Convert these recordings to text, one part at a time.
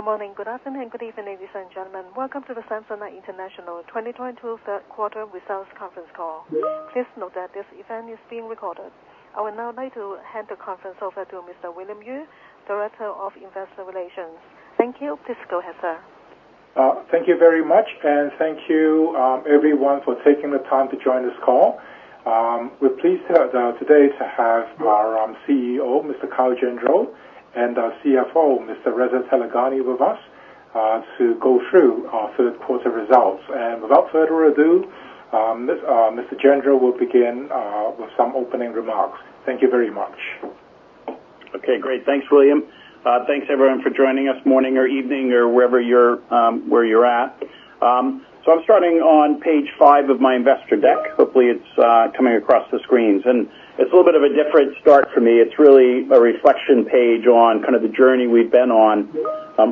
Good morning, good afternoon, good evening, ladies and gentlemen. Welcome to the Samsonite International 2022 third quarter results conference call. Please note that this event is being recorded. I would now like to hand the conference over to Mr. William Yue, Director of Investor Relations. Thank you. Please go ahead, sir. Thank you very much, and thank you, everyone for taking the time to join this call. We're pleased to have today our CEO, Mr. Kyle Gendreau, and our CFO, Mr. Reza Taleghani, with us to go through our third quarter results. Without further ado, Mr. Gendreau will begin with some opening remarks. Thank you very much. Okay, great. Thanks, William. Thanks, everyone for joining us morning or evening or wherever you're at. I'm starting on page five of my investor deck. Hopefully, it's coming across the screens. It's a little bit of a different start for me. It's really a reflection page on kind of the journey we've been on,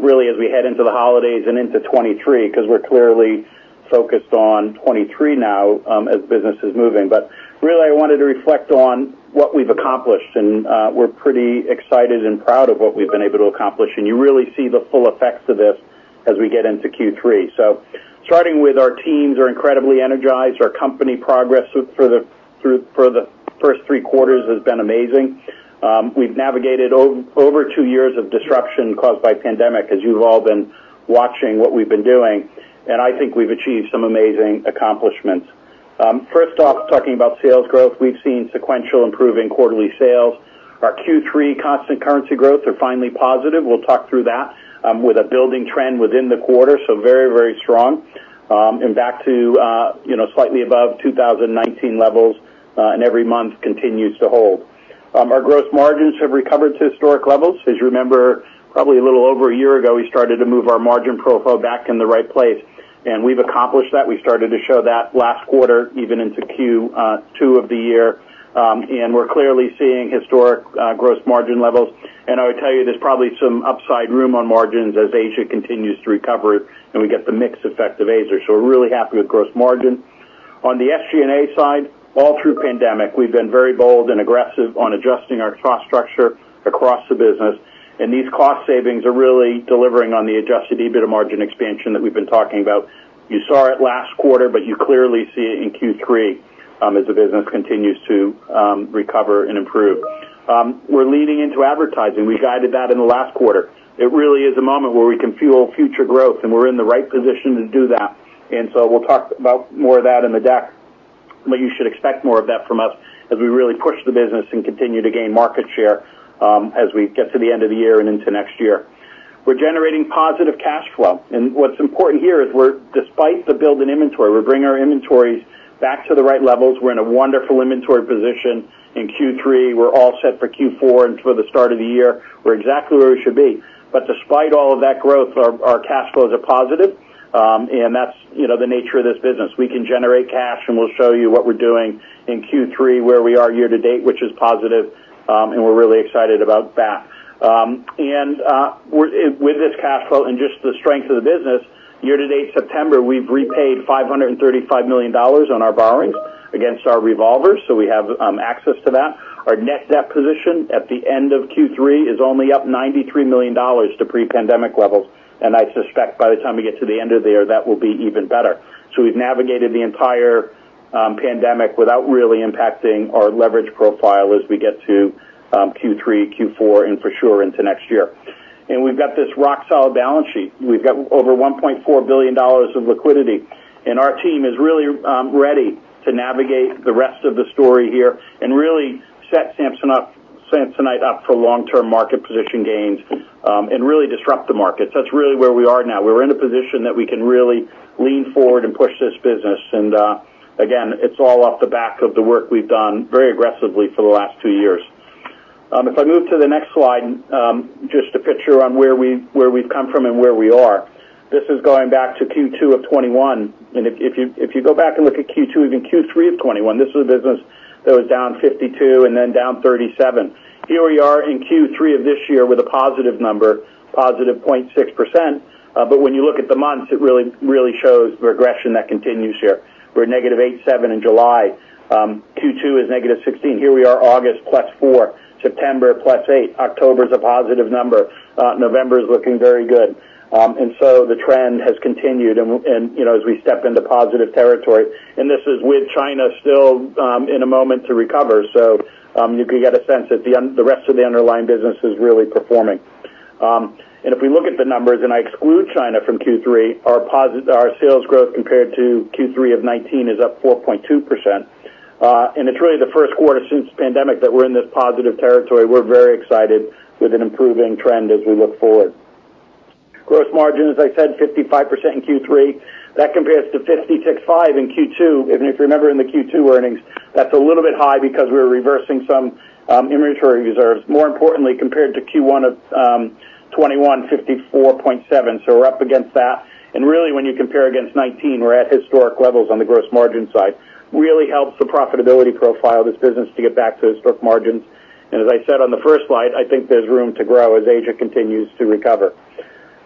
really as we head into the holidays and into 2023, because we're clearly focused on 2023 now, as business is moving. I wanted to reflect on what we've accomplished, and we're pretty excited and proud of what we've been able to accomplish. You really see the full effects of this as we get into Q3. Starting with our teams are incredibly energized. Our company progress through the first three quarters has been amazing. We've navigated over two years of disruption caused by the pandemic, as you've all been watching what we've been doing, and I think we've achieved some amazing accomplishments. First off, talking about sales growth, we've seen sequential improving quarterly sales. Our Q3 constant currency growth are finally positive. We'll talk through that, with a building trend within the quarter, so very, very strong. Back to, you know, slightly above 2019 levels, and every month continues to hold. Our gross margins have recovered to historic levels. As you remember, probably a little over a year ago, we started to move our margin profile back in the right place, and we've accomplished that. We started to show that last quarter, even into Q2 of the year. We're clearly seeing historic gross margin levels. I would tell you there's probably some upside room on margins as Asia continues to recover, and we get the mix effect of Asia. We're really happy with gross margin. On the SG&A side, all through pandemic, we've been very bold and aggressive on adjusting our cost structure across the business, and these cost savings are really delivering on the Adjusted EBITDA margin expansion that we've been talking about. You saw it last quarter, but you clearly see it in Q3, as the business continues to recover and improve. We're leaning into advertising. We guided that in the last quarter. It really is a moment where we can fuel future growth, and we're in the right position to do that. We'll talk about more of that in the deck, but you should expect more of that from us as we really push the business and continue to gain market share, as we get to the end of the year and into next year. We're generating positive cash flow, and what's important here is despite the build in inventory, we're bringing our inventories back to the right levels. We're in a wonderful inventory position in Q3. We're all set for Q4 and for the start of the year. We're exactly where we should be. Despite all of that growth, our cash flows are positive, and that's, you know, the nature of this business. We can generate cash, and we'll show you what we're doing in Q3, where we are year to date, which is positive, and we're really excited about that. with this cash flow and just the strength of the business, year to date, September, we've repaid $535 million on our borrowings against our revolvers, so we have access to that. Our net debt position at the end of Q3 is only up $93 million to pre-pandemic levels. I suspect by the time we get to the end of the year, that will be even better. We've navigated the entire pandemic without really impacting our leverage profile as we get to Q3, Q4, and for sure into next year. We've got this rock-solid balance sheet. We've got over $1.4 billion of liquidity, and our team is really ready to navigate the rest of the story here and really set Samsonite up for long-term market position gains, and really disrupt the market. That's really where we are now. We're in a position that we can really lean forward and push this business. Again, it's all off the back of the work we've done very aggressively for the last two years. If I move to the next slide, just a picture on where we've come from and where we are. This is going back to Q2 of 2021. If you go back and look at Q2, even Q3 of 2021, this was a business that was down 52% and then down 37%. Here we are in Q3 of this year with a positive number, +0.6%. But when you look at the months, it really shows the regression that continues here. We're -8.7 in July. Q2 is -16. Here we are August, +4. September, +8. October is a positive number. November is looking very good. The trend has continued and, you know, as we step into positive territory. This is with China still in a moment to recover. You can get a sense that the rest of the underlying business is really performing. If we look at the numbers, and I exclude China from Q3, our sales growth compared to Q3 of 2019 is up 4.2%. It's really the first quarter since pandemic that we're in this positive territory. We're very excited with an improving trend as we look forward. Gross margin, as I said, 55% in Q3. That compares to 56.5 in Q2. If you remember in the Q2 earnings, that's a little bit high because we were reversing some inventory reserves. More importantly, compared to Q1 of 2021, 54.7. We're up against that. Really, when you compare against 2019, we're at historic levels on the gross margin side. Really helps the profitability profile of this business to get back to historic margins. As I said on the first slide, I think there's room to grow as Asia continues to recover.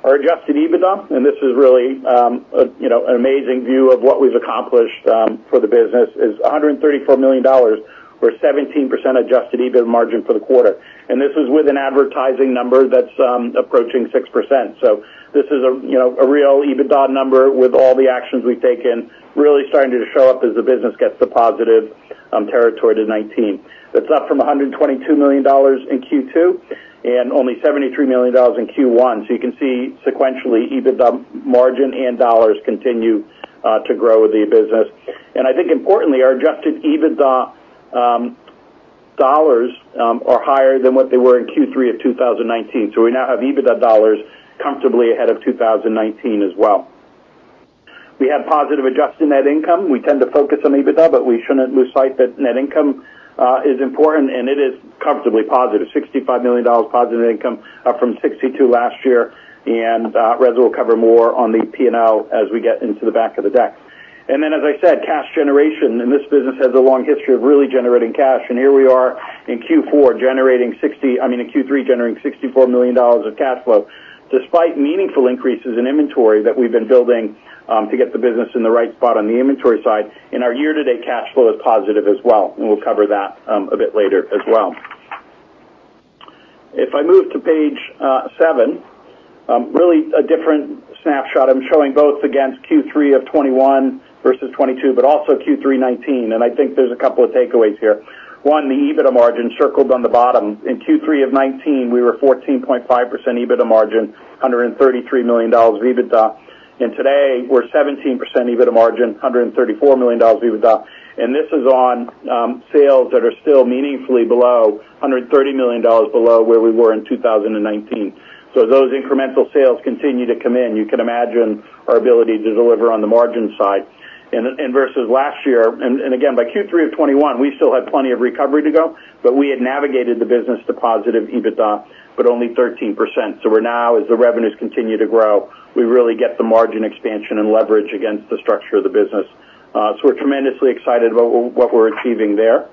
Our Adjusted EBITDA, and this is really, you know, an amazing view of what we've accomplished, for the business, is $134 million or 17% Adjusted EBIT margin for the quarter. This is with an advertising number that's, approaching 6%. This is a, you know, a real EBITDA number with all the actions we've taken really starting to show up as the business gets to positive, territory to 19%. That's up from $122 million in Q2 and only $73 million in Q1. You can see sequentially EBITDA margin and dollars continue, to grow the business. I think importantly, our Adjusted EBITDA dollars are higher than what they were in Q3 of 2019. We now have EBITDA dollars comfortably ahead of 2019 as well. We have positive adjusted net income. We tend to focus on EBITDA, but we shouldn't lose sight that net income is important, and it is comfortably positive. $65 million positive net income, up from $62 million last year. Reza will cover more on the P&L as we get into the back of the deck. As I said, cash generation, and this business has a long history of really generating cash. Here we are in Q3 generating $64 million of cash flow, despite meaningful increases in inventory that we've been building, to get the business in the right spot on the inventory side. Our year-to-date cash flow is positive as well, and we'll cover that a bit later as well. If I move to page seven, really a different snapshot. I'm showing both against Q3 of 2021 versus 2022, but also Q3 2019. I think there's a couple of takeaways here. One, the EBITDA margin circled on the bottom. In Q3 of 2019, we were 14.5% EBITDA margin, $133 million of EBITDA. Today, we're 17% EBITDA margin, $134 million EBITDA. This is on sales that are still meaningfully below $130 million below where we were in 2019. As those incremental sales continue to come in, you can imagine our ability to deliver on the margin side. Versus last year, again, by Q3 of 2021, we still had plenty of recovery to go, but we had navigated the business to positive EBITDA, but only 13%. We're now, as the revenues continue to grow, we really get the margin expansion and leverage against the structure of the business. We're tremendously excited about what we're achieving there.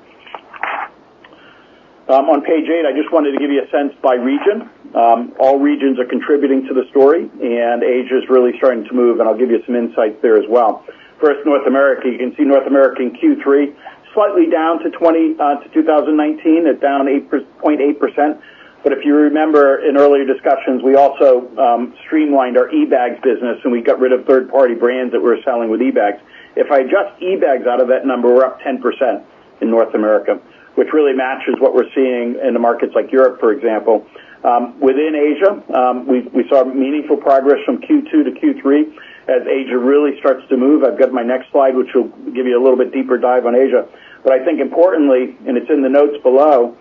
On page eight, I just wanted to give you a sense by region. All regions are contributing to the story, and Asia is really starting to move, and I'll give you some insight there as well. First, North America. You can see North America in Q3, slightly down to 2019. It's down 8.8%. If you remember in earlier discussions, we also streamlined our eBags business, and we got rid of third-party brands that we were selling with eBags. If I adjust eBags out of that number, we're up 10% in North America, which really matches what we're seeing in the markets like Europe, for example. Within Asia, we saw meaningful progress from Q2 to Q3 as Asia really starts to move. I've got my next slide, which will give you a little bit deeper dive on Asia. I think importantly, and it's in the notes below,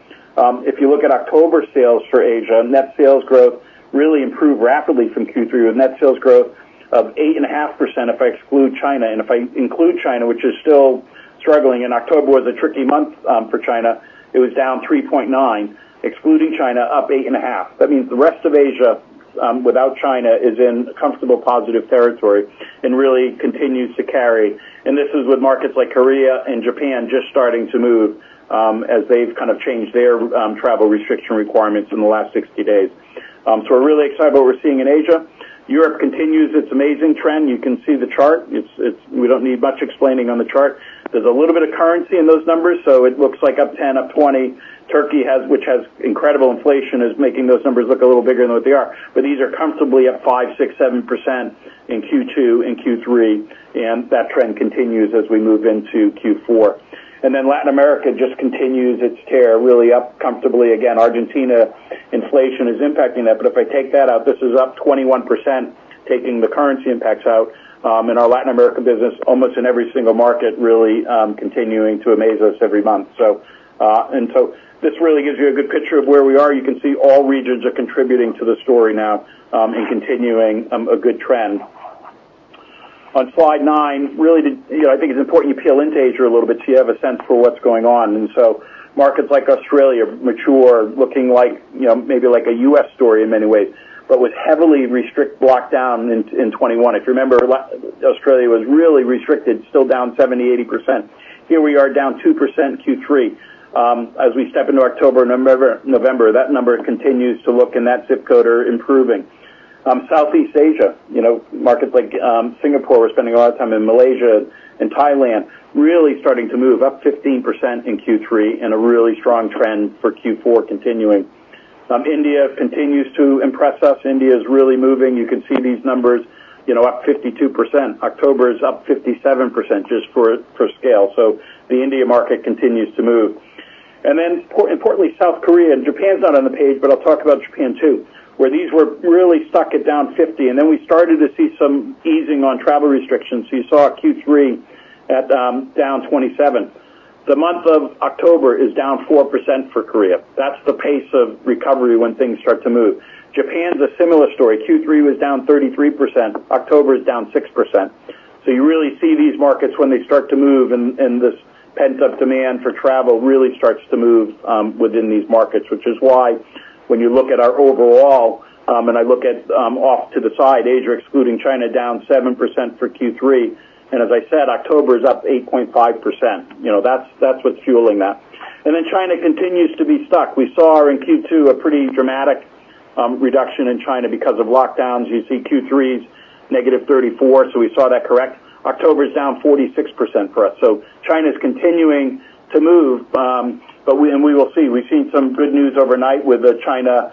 if you look at October sales for Asia, net sales growth really improved rapidly from Q3, with net sales growth of 8.5% if I exclude China. If I include China, which is still struggling, and October was a tricky month, for China, it was down -3.9, excluding China, up 8.5%. That means the rest of Asia, without China, is in comfortable positive territory and really continues to carry. This is with markets like Korea and Japan just starting to move, as they've kind of changed their, travel restriction requirements in the last 60 days. We're really excited about what we're seeing in Asia. Europe continues its amazing trend. You can see the chart. We don't need much explaining on the chart. There's a little bit of currency in those numbers, so it looks like up 10, up 20. Turkey, which has incredible inflation, is making those numbers look a little bigger than what they are. These are comfortably up 5, 6, 7% in Q2 and Q3, and that trend continues as we move into Q4. Latin America just continues its tear really up comfortably. Again, Argentina inflation is impacting that, but if I take that out, this is up 21%, taking the currency impacts out, in our Latin America business, almost in every single market, really, continuing to amaze us every month. This really gives you a good picture of where we are. You can see all regions are contributing to the story now, and continuing a good trend. On slide nine, really the, you know, I think it's important you drill into Asia a little bit so you have a sense for what's going on. Markets like Australia, mature, looking like, you know, maybe like a U.S. story in many ways, but with heavily restricted lockdown in 2021. If you remember, Australia was really restricted, still down 70%-80%. Here we are down 2% Q3. As we step into October, November, that number continues to look in that zip code are improving. Southeast Asia, you know, markets like Singapore, we're spending a lot of time in Malaysia and Thailand, really starting to move up 15% in Q3 and a really strong trend for Q4 continuing. India continues to impress us. India is really moving. You can see these numbers, you know, up 52%. October is up 57% just for scale. The India market continues to move. Importantly, South Korea. Japan's not on the page, but I'll talk about Japan too, where these were really stuck at down 50%. We started to see some easing on travel restrictions. You saw Q3 at down 27%. The month of October is down 4% for Korea. That's the pace of recovery when things start to move. Japan's a similar story. Q3 was down 33%. October is down 6%. You really see these markets when they start to move and this pent-up demand for travel really starts to move within these markets, which is why when you look at our overall and I look at off to the side, Asia excluding China, down 7% for Q3. As I said, October is up 8.5%. You know, that's what's fueling that. China continues to be stuck. We saw in Q2 a pretty dramatic reduction in China because of lockdowns. You see Q3's -34, so we saw that correct. October's down 46% for us. China's continuing to move, but we will see. We've seen some good news overnight with the China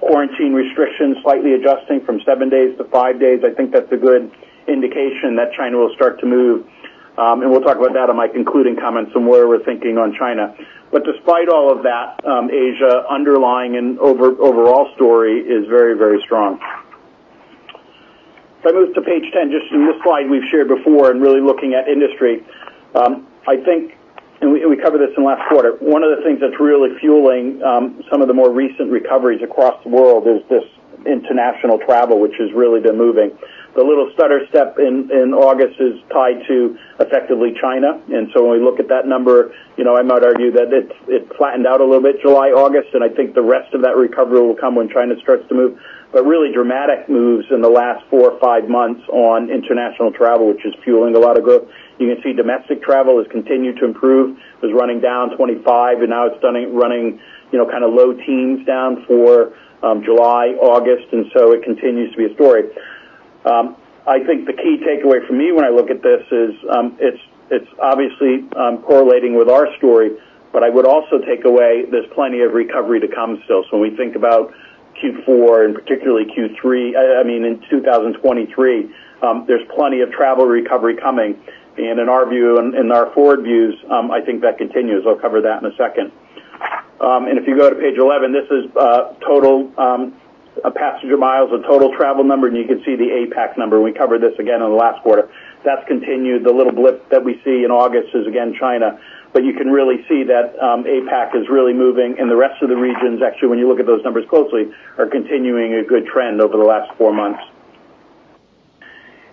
quarantine restrictions slightly adjusting from seven days to five days. I think that's a good indication that China will start to move. We'll talk about that in my concluding comments and where we're thinking on China. Despite all of that, Asia underlying and overall story is very, very strong. If I move to page 10, just in this slide we've shared before in really looking at industry, I think, and we covered this in last quarter, one of the things that's really fueling some of the more recent recoveries across the world is this international travel, which has really been moving. The little stutter step in August is tied to effectively China. When we look at that number, you know, I might argue that it flattened out a little bit July, August, and I think the rest of that recovery will come when China starts to move. really dramatic moves in the last 4 or 5 months on international travel, which is fueling a lot of growth. You can see domestic travel has continued to improve. It was running down 25%, and now it's running, you know, kind of low teens down for July, August, and so it continues to be a story. I think the key takeaway for me when I look at this is, it's obviously correlating with our story, but I would also take away there's plenty of recovery to come still. When we think about Q4 and particularly Q3, I mean in 2023, there's plenty of travel recovery coming. In our view, our forward views, I think that continues. I'll cover that in a second. If you go to page 11, this is total passenger miles, a total travel number, and you can see the APAC number, and we covered this again on the last quarter. That's continued. The little blip that we see in August is again China. You can really see that APAC is really moving, and the rest of the regions, actually, when you look at those numbers closely, are continuing a good trend over the last four months.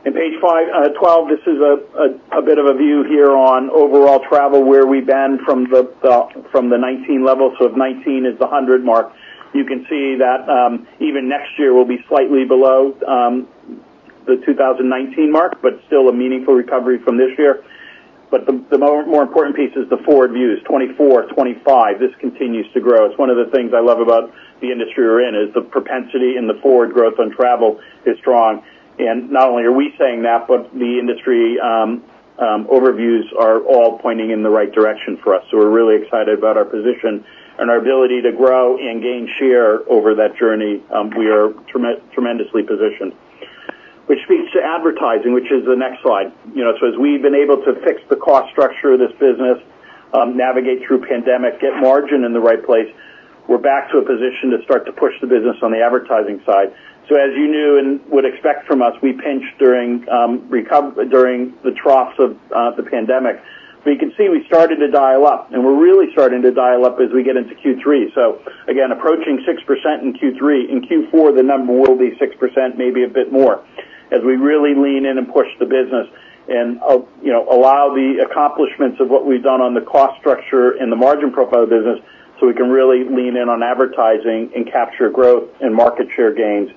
In page 12, this is a bit of a view here on overall travel, where we've been from the 2019 levels. If 2019 is the 100 mark, you can see that even next year will be slightly below the 2019 mark, but still a meaningful recovery from this year. The more important piece is the forward views, 2024, 2025. This continues to grow. It's one of the things I love about the industry we're in, is the propensity in the forward growth on travel is strong. Not only are we saying that, but the industry overviews are all pointing in the right direction for us. We're really excited about our position and our ability to grow and gain share over that journey. We are tremendously positioned. Which speaks to advertising, which is the next slide. You know, as we've been able to fix the cost structure of this business, navigate through pandemic, get margin in the right place, we're back to a position to start to push the business on the advertising side. As you knew and would expect from us, we pinched during the troughs of the pandemic. You can see we started to dial up, and we're really starting to dial up as we get into Q3. Again, approaching 6% in Q3. In Q4, the number will be 6%, maybe a bit more, as we really lean in and push the business and, you know, allow the accomplishments of what we've done on the cost structure and the margin profile of the business so we can really lean in on advertising and capture growth and market share gains,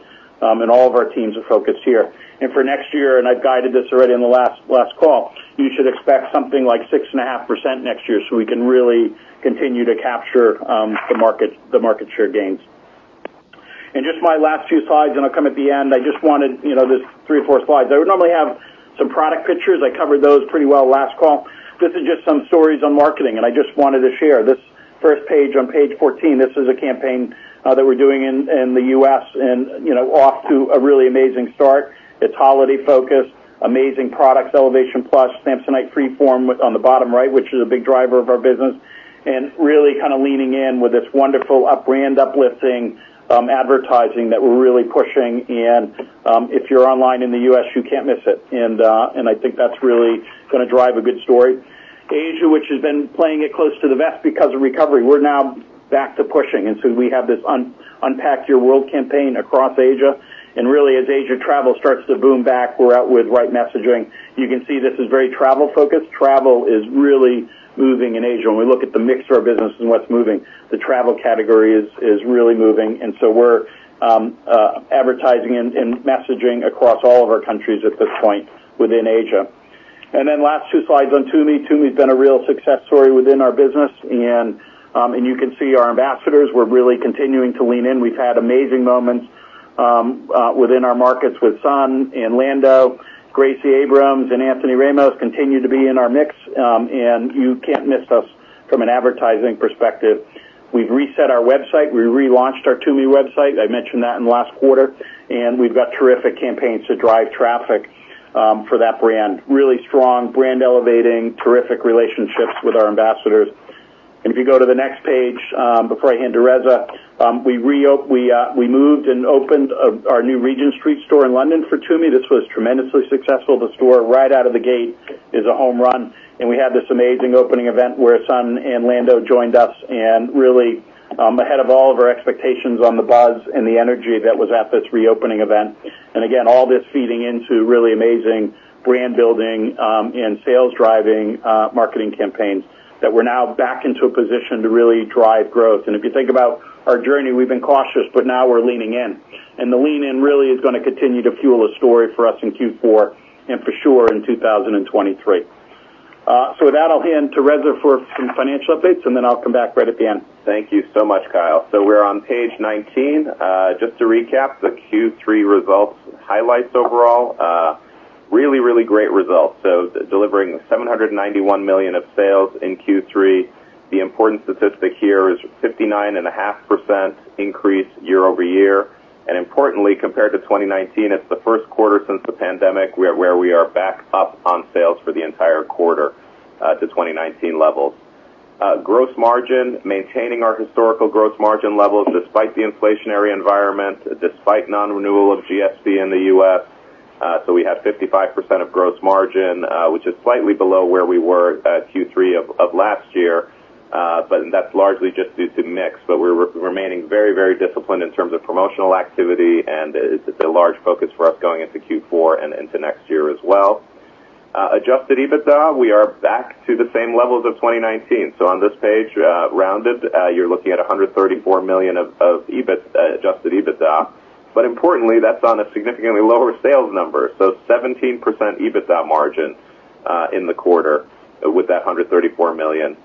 and all of our teams are focused here. For next year, I've guided this already on the last call. You should expect something like 6.5% next year, so we can really continue to capture the market share gains. Just my last few slides, and I'll come at the end. I just wanted, you know, just three or four slides. I would normally have some product pictures. I covered those pretty well last call. This is just some stories on marketing, and I just wanted to share. This first page on page 14, this is a campaign that we're doing in the U.S. and, you know, off to a really amazing start. It's holiday-focused, amazing products, Elevation Plus, Samsonite Freeform on the bottom right, which is a big driver of our business, and really kind of leaning in with this wonderful up brand uplifting advertising that we're really pushing. If you're online in the U.S., you can't miss it. I think that's really gonna drive a good story. Asia, which has been playing it close to the vest because of recovery, we're now back to pushing. We have this Unpack Your World campaign across Asia. Really, as Asia travel starts to boom back, we're out with right messaging. You can see this is very travel-focused. Travel is really moving in Asia. When we look at the mix of our business and what's moving, the travel category is really moving. We're advertising and messaging across all of our countries at this point within Asia. Last two slides on Tumi. Tumi's been a real success story within our business. You can see our ambassadors. We're really continuing to lean in. We've had amazing moments within our markets with Son Heung-min and Lando. Gracie Abrams and Anthony Ramos continue to be in our mix, and you can't miss us from an advertising perspective. We've reset our website. We relaunched our Tumi website. I mentioned that in the last quarter. We've got terrific campaigns to drive traffic for that brand. Really strong brand elevating. Terrific relationships with our ambassadors. If you go to the next page, before I hand to Reza, we moved and opened our new Regent Street store in London for Tumi. This was tremendously successful. The store right out of the gate is a home run. We had this amazing opening event where Son and Lando joined us and really, ahead of all of our expectations on the buzz and the energy that was at this reopening event. Again, all this feeding into really amazing brand building, and sales driving, marketing campaigns that we're now back into a position to really drive growth. If you think about our journey, we've been cautious, but now we're leaning in. The lean in really is gonna continue to fuel a story for us in Q4 and for sure in 2023. With that, I'll hand to Reza for some financial updates, and then I'll come back right at the end. Thank you so much, Kyle. We're on page 19. Just to recap the Q3 results highlights overall, really great results. Delivering $791 million of sales in Q3. The important statistic here is 59.5% increase year-over-year. Importantly, compared to 2019, it's the first quarter since the pandemic where we are back up on sales for the entire quarter to 2019 levels. Gross margin, maintaining our historical gross margin levels despite the inflationary environment, despite non-renewal of GSP in the U.S. We have 55% of gross margin, which is slightly below where we were at Q3 of last year, but that's largely just due to mix. We're remaining very, very disciplined in terms of promotional activity, and it's a large focus for us going into Q4 and into next year as well. Adjusted EBITDA, we are back to the same levels of 2019. On this page, rounded, you're looking at $134 million of Adjusted EBITDA. Importantly, that's on a significantly lower sales number, so 17% EBITDA margin in the quarter with that $134 million.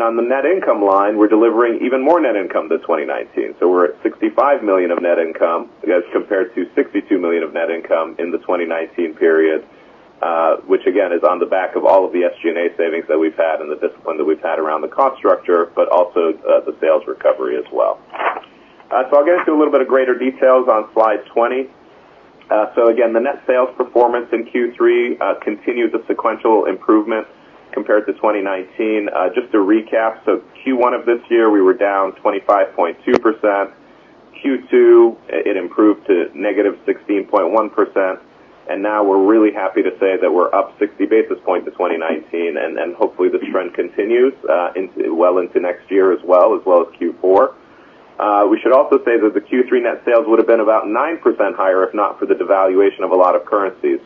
On the net income line, we're delivering even more net income to 2019. We're at $65 million of net income as compared to $62 million of net income in the 2019 period, which again, is on the back of all of the SG&A savings that we've had and the discipline that we've had around the cost structure, but also, the sales recovery as well. I'll get into a little bit of greater details on slide 20. Again, the net sales performance in Q3 continued the sequential improvement compared to 2019. Just to recap, Q1 of this year we were down 25.2%. Q2, it improved to negative 16.1%. Now we're really happy to say that we're up 60 basis points to 2019, and hopefully this trend continues into next year as well as Q4. We should also say that the Q3 net sales would have been about 9% higher, if not for the devaluation of a lot of currencies.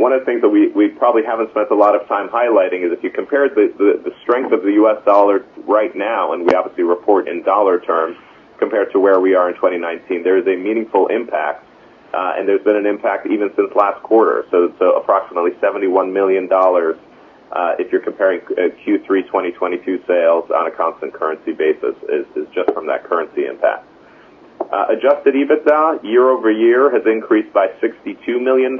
One of the things that we probably haven't spent a lot of time highlighting is if you compare the strength of the U.S. dollar right now, and we obviously report in dollar terms compared to where we are in 2019, there is a meaningful impact, and there's been an impact even since last quarter. Approximately $71 million, if you're comparing Q3 2022 sales on a constant currency basis, is just from that currency impact. Adjusted EBITDA year-over-year has increased by $62 million,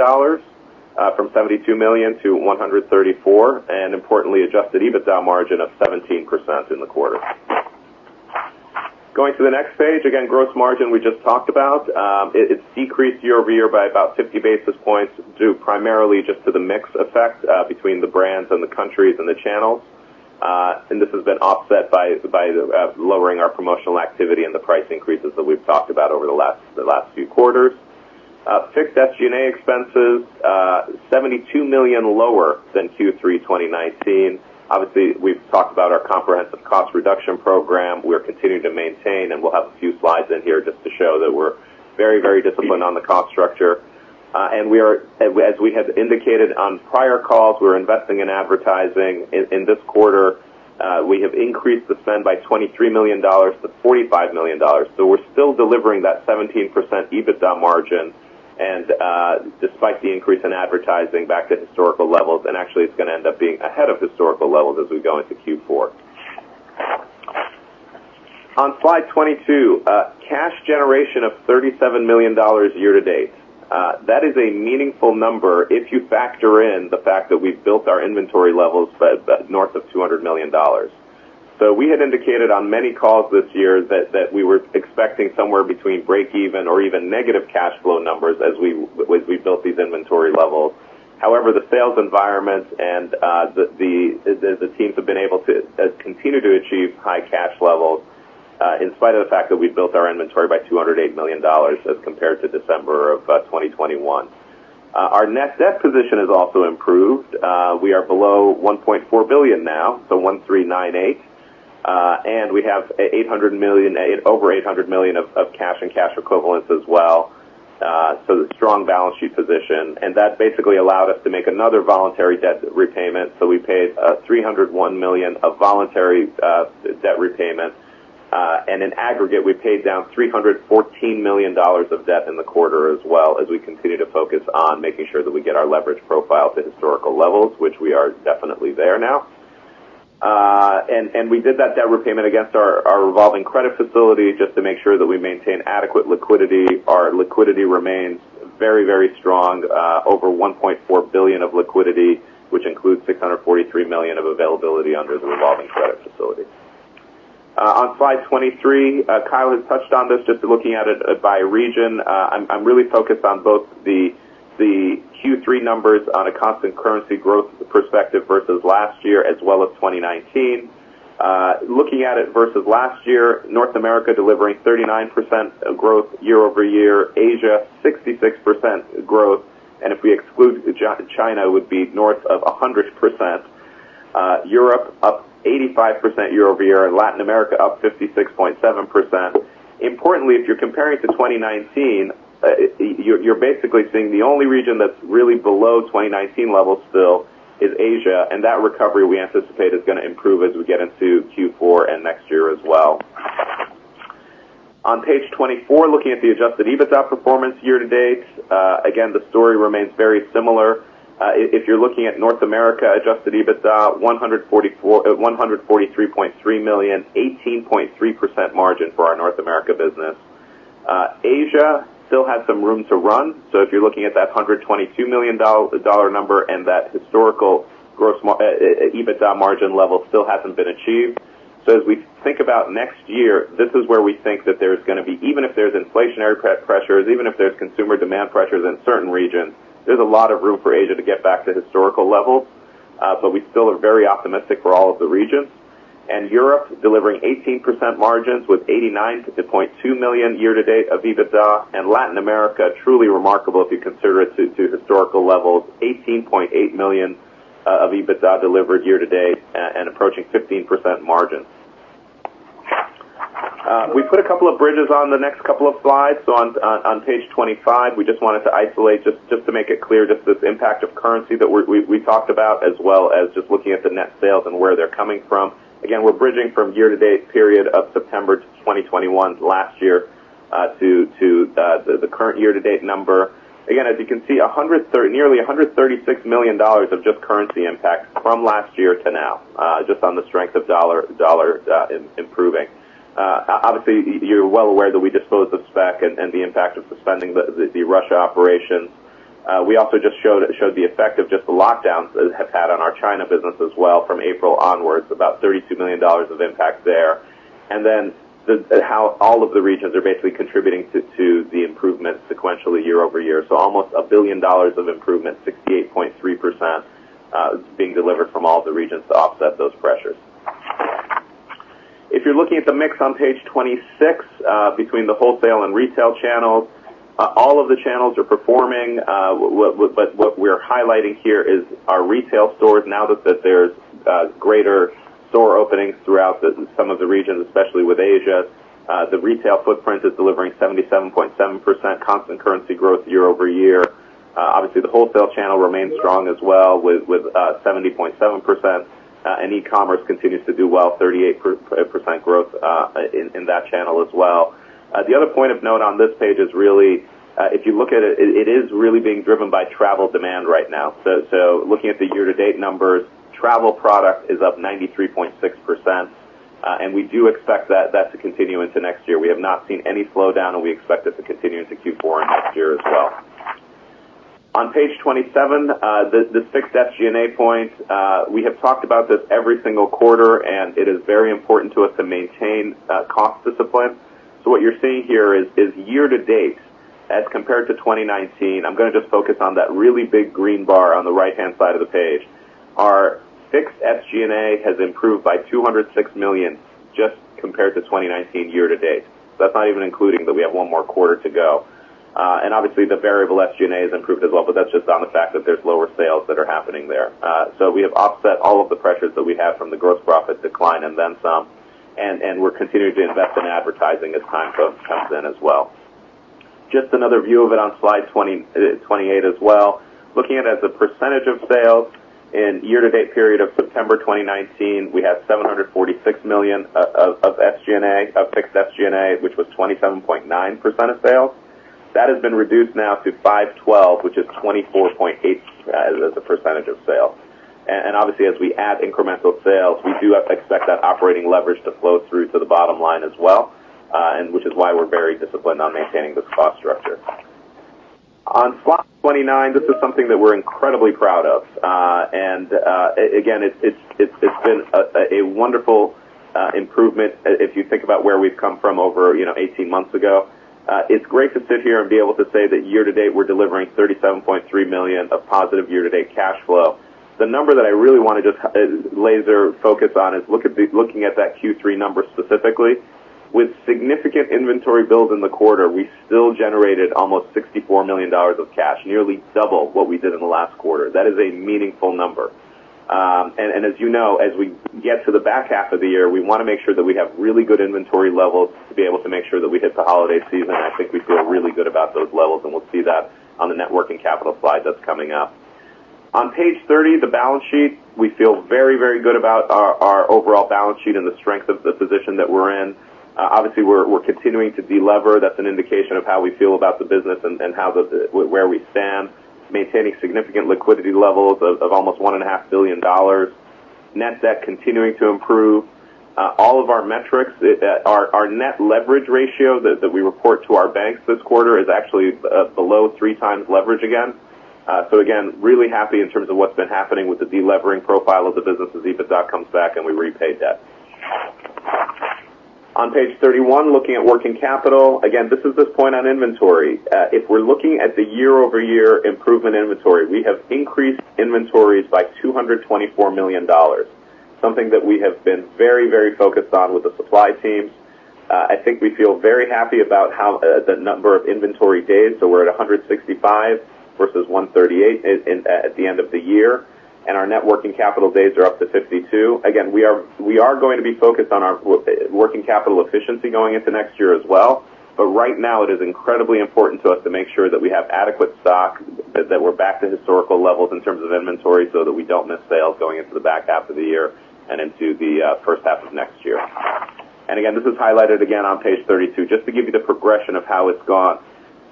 from $72 million to $134 million, and importantly, Adjusted EBITDA margin of 17% in the quarter. Going to the next page. Again, gross margin we just talked about. It's decreased year-over-year by about 50 basis points, due primarily just to the mix effect between the brands and the countries and the channels. This has been offset by lowering our promotional activity and the price increases that we've talked about over the last few quarters. Fixed SG&A expenses, $72 million lower than Q3 2019. Obviously, we've talked about our comprehensive cost reduction program. We're continuing to maintain, and we'll have a few slides in here just to show that we're very, very disciplined on the cost structure. We are as we have indicated on prior calls, we're investing in advertising. In this quarter, we have increased the spend by $23 million to $45 million. We're still delivering that 17% EBITDA margin and, despite the increase in advertising back to historical levels, and actually it's gonna end up being ahead of historical levels as we go into Q4. On slide 22, cash generation of $37 million year to date. That is a meaningful number if you factor in the fact that we've built our inventory levels by north of $200 million. We had indicated on many calls this year that we were expecting somewhere between break even or even negative cash flow numbers as we built these inventory levels. However, the sales environment and the teams have been able to continue to achieve high cash levels, in spite of the fact that we built our inventory by $208 million as compared to December of 2021. Our net debt position has also improved. We are below $1.4 billion now, so $.,398 million. We have over $800 million of cash and cash equivalents as well. Strong balance sheet position. That basically allowed us to make another voluntary debt repayment. We paid $301 million of voluntary debt repayment. In aggregate, we paid down $314 million of debt in the quarter as well as we continue to focus on making sure that we get our leverage profile to historical levels, which we are definitely there now. We did that debt repayment against our revolving credit facility just to make sure that we maintain adequate liquidity. Our liquidity remains very, very strong, over $1.4 billion of liquidity, which includes $643 million of availability under the revolving credit facility. On Slide 23, Kyle has touched on this, just looking at it by region. I'm really focused on both the Q3 numbers on a constant currency growth perspective versus last year as well as 2019. Looking at it versus last year, North America delivering 39% growth year-over-year. Asia, 66% growth. If we exclude China, it would be north of 100%. Europe up 85% year-over-year, and Latin America up 56.7%. Importantly, if you're comparing to 2019, you're basically seeing the only region that's really below 2019 levels still is Asia, and that recovery we anticipate is gonna improve as we get into Q4 and next year as well. On page 24, looking at the Adjusted EBITDA performance year to date, again, the story remains very similar. If you're looking at North America Adjusted EBITDA $143.3 million, 18.3% margin for our North America business. Asia still has some room to run. If you're looking at that $122 million number and that historical gross margin, EBITDA margin level still hasn't been achieved. As we think about next year, this is where we think that there's gonna be even if there's inflationary pressures, even if there's consumer demand pressures in certain regions, there's a lot of room for Asia to get back to historical levels. We still are very optimistic for all of the regions. Europe delivering 18% margins with $89.2 million year-to-date of EBITDA. Latin America, truly remarkable if you consider it to historical levels, $18.8 million of EBITDA delivered year-to-date and approaching 15% margins. We put a couple of bridges on the next couple of slides. On page 25, we just wanted to isolate, just to make it clear, this impact of currency that we talked about, as well as just looking at the net sales and where they're coming from. Again, we're bridging from year-to-date period of September 2021 last year to the current year-to-date number. Again, as you can see, nearly $136 million of just currency impact from last year to now, just on the strength of the dollar improving. Obviously, you're well aware that we disposed of Speck and the impact of suspending the Russia operations. We also just showed the effect of just the lockdowns that have had on our China business as well from April onwards, about $32 million of impact there. How all of the regions are basically contributing to the improvement sequentially year-over-year. Almost $1 billion of improvement, 68.3%, being delivered from all the regions to offset those pressures. If you're looking at the mix on page 26, between the wholesale and retail channels, all of the channels are performing. But what we're highlighting here is our retail stores. Now that there's greater store openings throughout some of the regions, especially with Asia, the retail footprint is delivering 77.7% constant-currency growth year-over-year. Obviously, the wholesale channel remains strong as well with 70.7%. And e-commerce continues to do well, 38% growth in that channel as well. The other point of note on this page is really, if you look at it is really being driven by travel demand right now. Looking at the year-to-date numbers, travel product is up 93.6%. We do expect that to continue into next year. We have not seen any slowdown, and we expect it to continue into Q4 and next year as well. On page 27, the fixed SG&A points, we have talked about this every single quarter, and it is very important to us to maintain cost discipline. What you're seeing here is year to date as compared to 2019. I'm gonna just focus on that really big green bar on the right-hand side of the page. Our fixed SG&A has improved by $206 million just compared to 2019 year-to-date. That's not even including that we have one more quarter to go. And obviously the variable SG&A has improved as well, but that's just on the fact that there's lower sales that are happening there. We have offset all of the pressures that we have from the gross profit decline and then some, and we're continuing to invest in advertising as time comes in as well. Just another view of it on Slide 28 as well. Looking at it as a percentage of sales in year-to-date period of September 2019, we had $746 million of SG&A, of fixed SG&A, which was 27.9% of sales. That has been reduced now to 512, which is 24.8% of sales. Obviously, as we add incremental sales, we do expect that operating leverage to flow through to the bottom line as well, and which is why we're very disciplined on maintaining this cost structure. On Slide 29, this is something that we're incredibly proud of. Again, it's been a wonderful improvement, if you think about where we've come from over, you know, 18 months ago. It's great to sit here and be able to say that year to date, we're delivering $37.3 million of positive year-to-date cash flow. The number that I really wanna just laser focus on is looking at that Q3 number specifically. With significant inventory builds in the quarter, we still generated almost $64 million of cash, nearly double what we did in the last quarter. That is a meaningful number. As you know, as we get to the back half of the year, we wanna make sure that we have really good inventory levels to be able to make sure that we hit the holiday season. I think we feel really good about those levels, and we'll see that on the net working capital slide that's coming up. On page 30, the balance sheet, we feel very, very good about our overall balance sheet and the strength of the position that we're in. Obviously, we're continuing to delever. That's an indication of how we feel about the business and how, where we stand, maintaining significant liquidity levels of almost $1.5 billion. Net debt continuing to improve. All of our metrics, our net leverage ratio that we report to our banks this quarter is actually below 3x leverage again. Again, really happy in terms of what's been happening with the deleveraging profile of the business as EBITDA comes back and we repay debt. On page 31, looking at working capital. Again, this is the point on inventory. If we're looking at the year-over-year improvement inventory, we have increased inventories by $224 million, something that we have been very, very focused on with the supply teams. I think we feel very happy about how the number of inventory days, so we're at 165 versus 138 at the end of the year. Our net working capital days are up to 52. Again, we are going to be focused on our working capital efficiency going into next year as well. But right now, it is incredibly important to us to make sure that we have adequate stock, that we're back to historical levels in terms of inventory so that we don't miss sales going into the back half of the year and into the first half of next year. Again, this is highlighted again on page 32, just to give you the progression of how it's gone.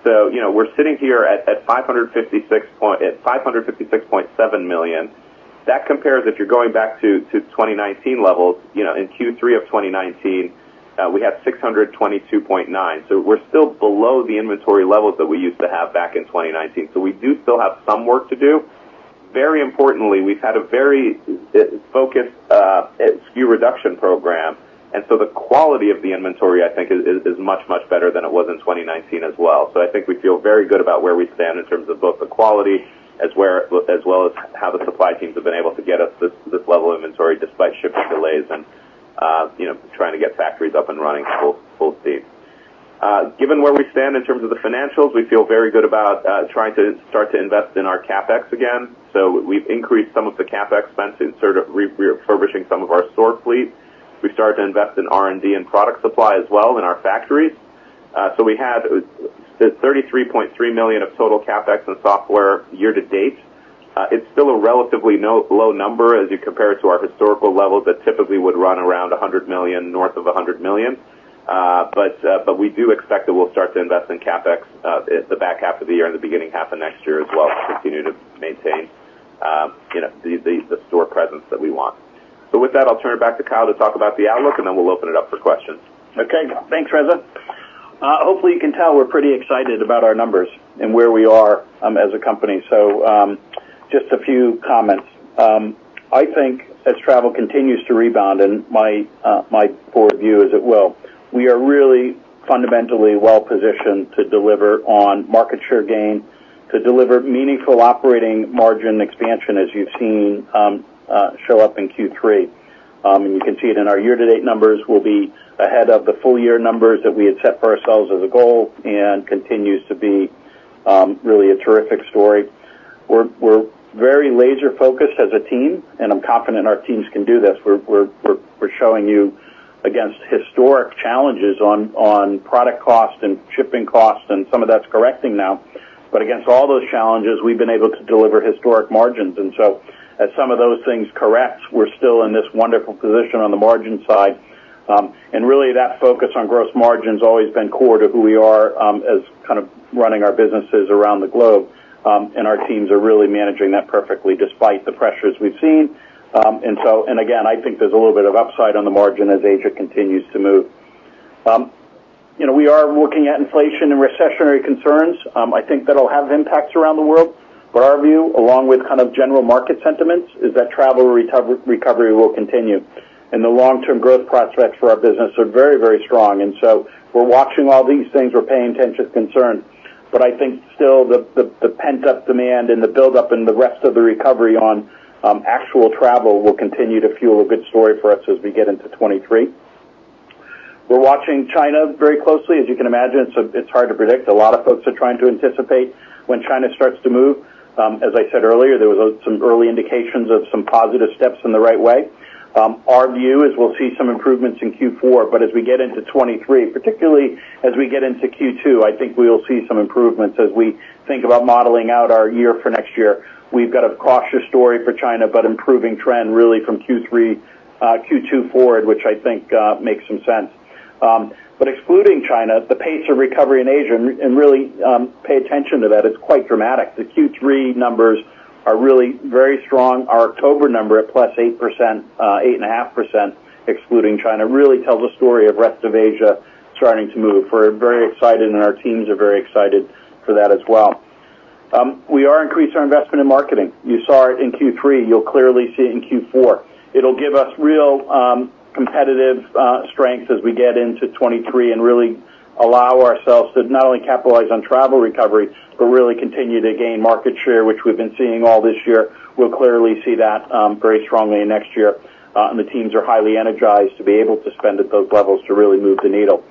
We're sitting here at $556.7 million. That compares, if you're going back to 2019 levels, in Q3 of 2019, we had $622.9 million. We're still below the inventory levels that we used to have back in 2019. We do still have some work to do. Very importantly, we've had a very focused SKU reduction program. The quality of the inventory, I think, is much, much better than it was in 2019 as well. I think we feel very good about where we stand in terms of both the quality as well as how the supply teams have been able to get us this level of inventory despite shipping delays and trying to get factories up and running at full speed. Given where we stand in terms of the financials, we feel very good about trying to start to invest in our CapEx again. We've increased some of the CapEx spend in sort of refurbishing some of our store fleet. We've started to invest in R&D and product supply as well in our factories. We had $33.3 million of total CapEx and software year to date. It's still a relatively low number as you compare it to our historical levels that typically would run around $100 million, north of $100 million. We do expect that we'll start to invest in CapEx in the back half of the year and the beginning half of next year as well to continue to maintain, you know, the store presence that we want. With that, I'll turn it back to Kyle to talk about the outlook, and then we'll open it up for questions. Okay. Thanks, Reza. Hopefully you can tell we're pretty excited about our numbers and where we are, as a company. Just a few comments. I think as travel continues to rebound, and my forward view is it will, we are really fundamentally well positioned to deliver on market share gain, to deliver meaningful operating margin expansion as you've seen, show up in Q3. And you can see it in our year-to-date numbers. We'll be ahead of the full year numbers that we had set for ourselves as a goal and continues to be, really a terrific story. We're showing you against historic challenges on product cost and shipping costs, and some of that's correcting now. Against all those challenges, we've been able to deliver historic margins. As some of those things correct, we're still in this wonderful position on the margin side. Really, that focus on gross margin's always been core to who we are, as kind of running our businesses around the globe. Our teams are really managing that perfectly despite the pressures we've seen. Again, I think there's a little bit of upside on the margin as Asia continues to move. You know, we are looking at inflation and recessionary concerns. I think that'll have impacts around the world. Our view, along with kind of general market sentiments, is that travel recovery will continue, and the long-term growth prospects for our business are very, very strong. We're watching all these things. We're paying attention to concerns. I think still the pent-up demand and the buildup and the rest of the recovery on actual travel will continue to fuel a good story for us as we get into 2023. We're watching China very closely. As you can imagine, it's hard to predict. A lot of folks are trying to anticipate when China starts to move. As I said earlier, there was some early indications of some positive steps in the right way. Our view is we'll see some improvements in Q4, but as we get into 2023, particularly as we get into Q2, I think we'll see some improvements as we think about modeling out our year for next year. We've got a cautious story for China, but improving trend really from Q2 forward, which I think makes some sense. Excluding China, the pace of recovery in Asia, pay attention to that, it's quite dramatic. The Q3 numbers are really very strong. Our October number at +8%, 8.5%, excluding China, really tells a story of rest of Asia starting to move. We're very excited, and our teams are very excited for that as well. We are increased our investment in marketing. You saw it in Q3. You'll clearly see it in Q4. It'll give us real competitive strength as we get into 2023 and really allow ourselves to not only capitalize on travel recovery, but really continue to gain market share, which we've been seeing all this year. We'll clearly see that, very strongly in next year. The teams are highly energized to be able to spend at those levels to really move the needle.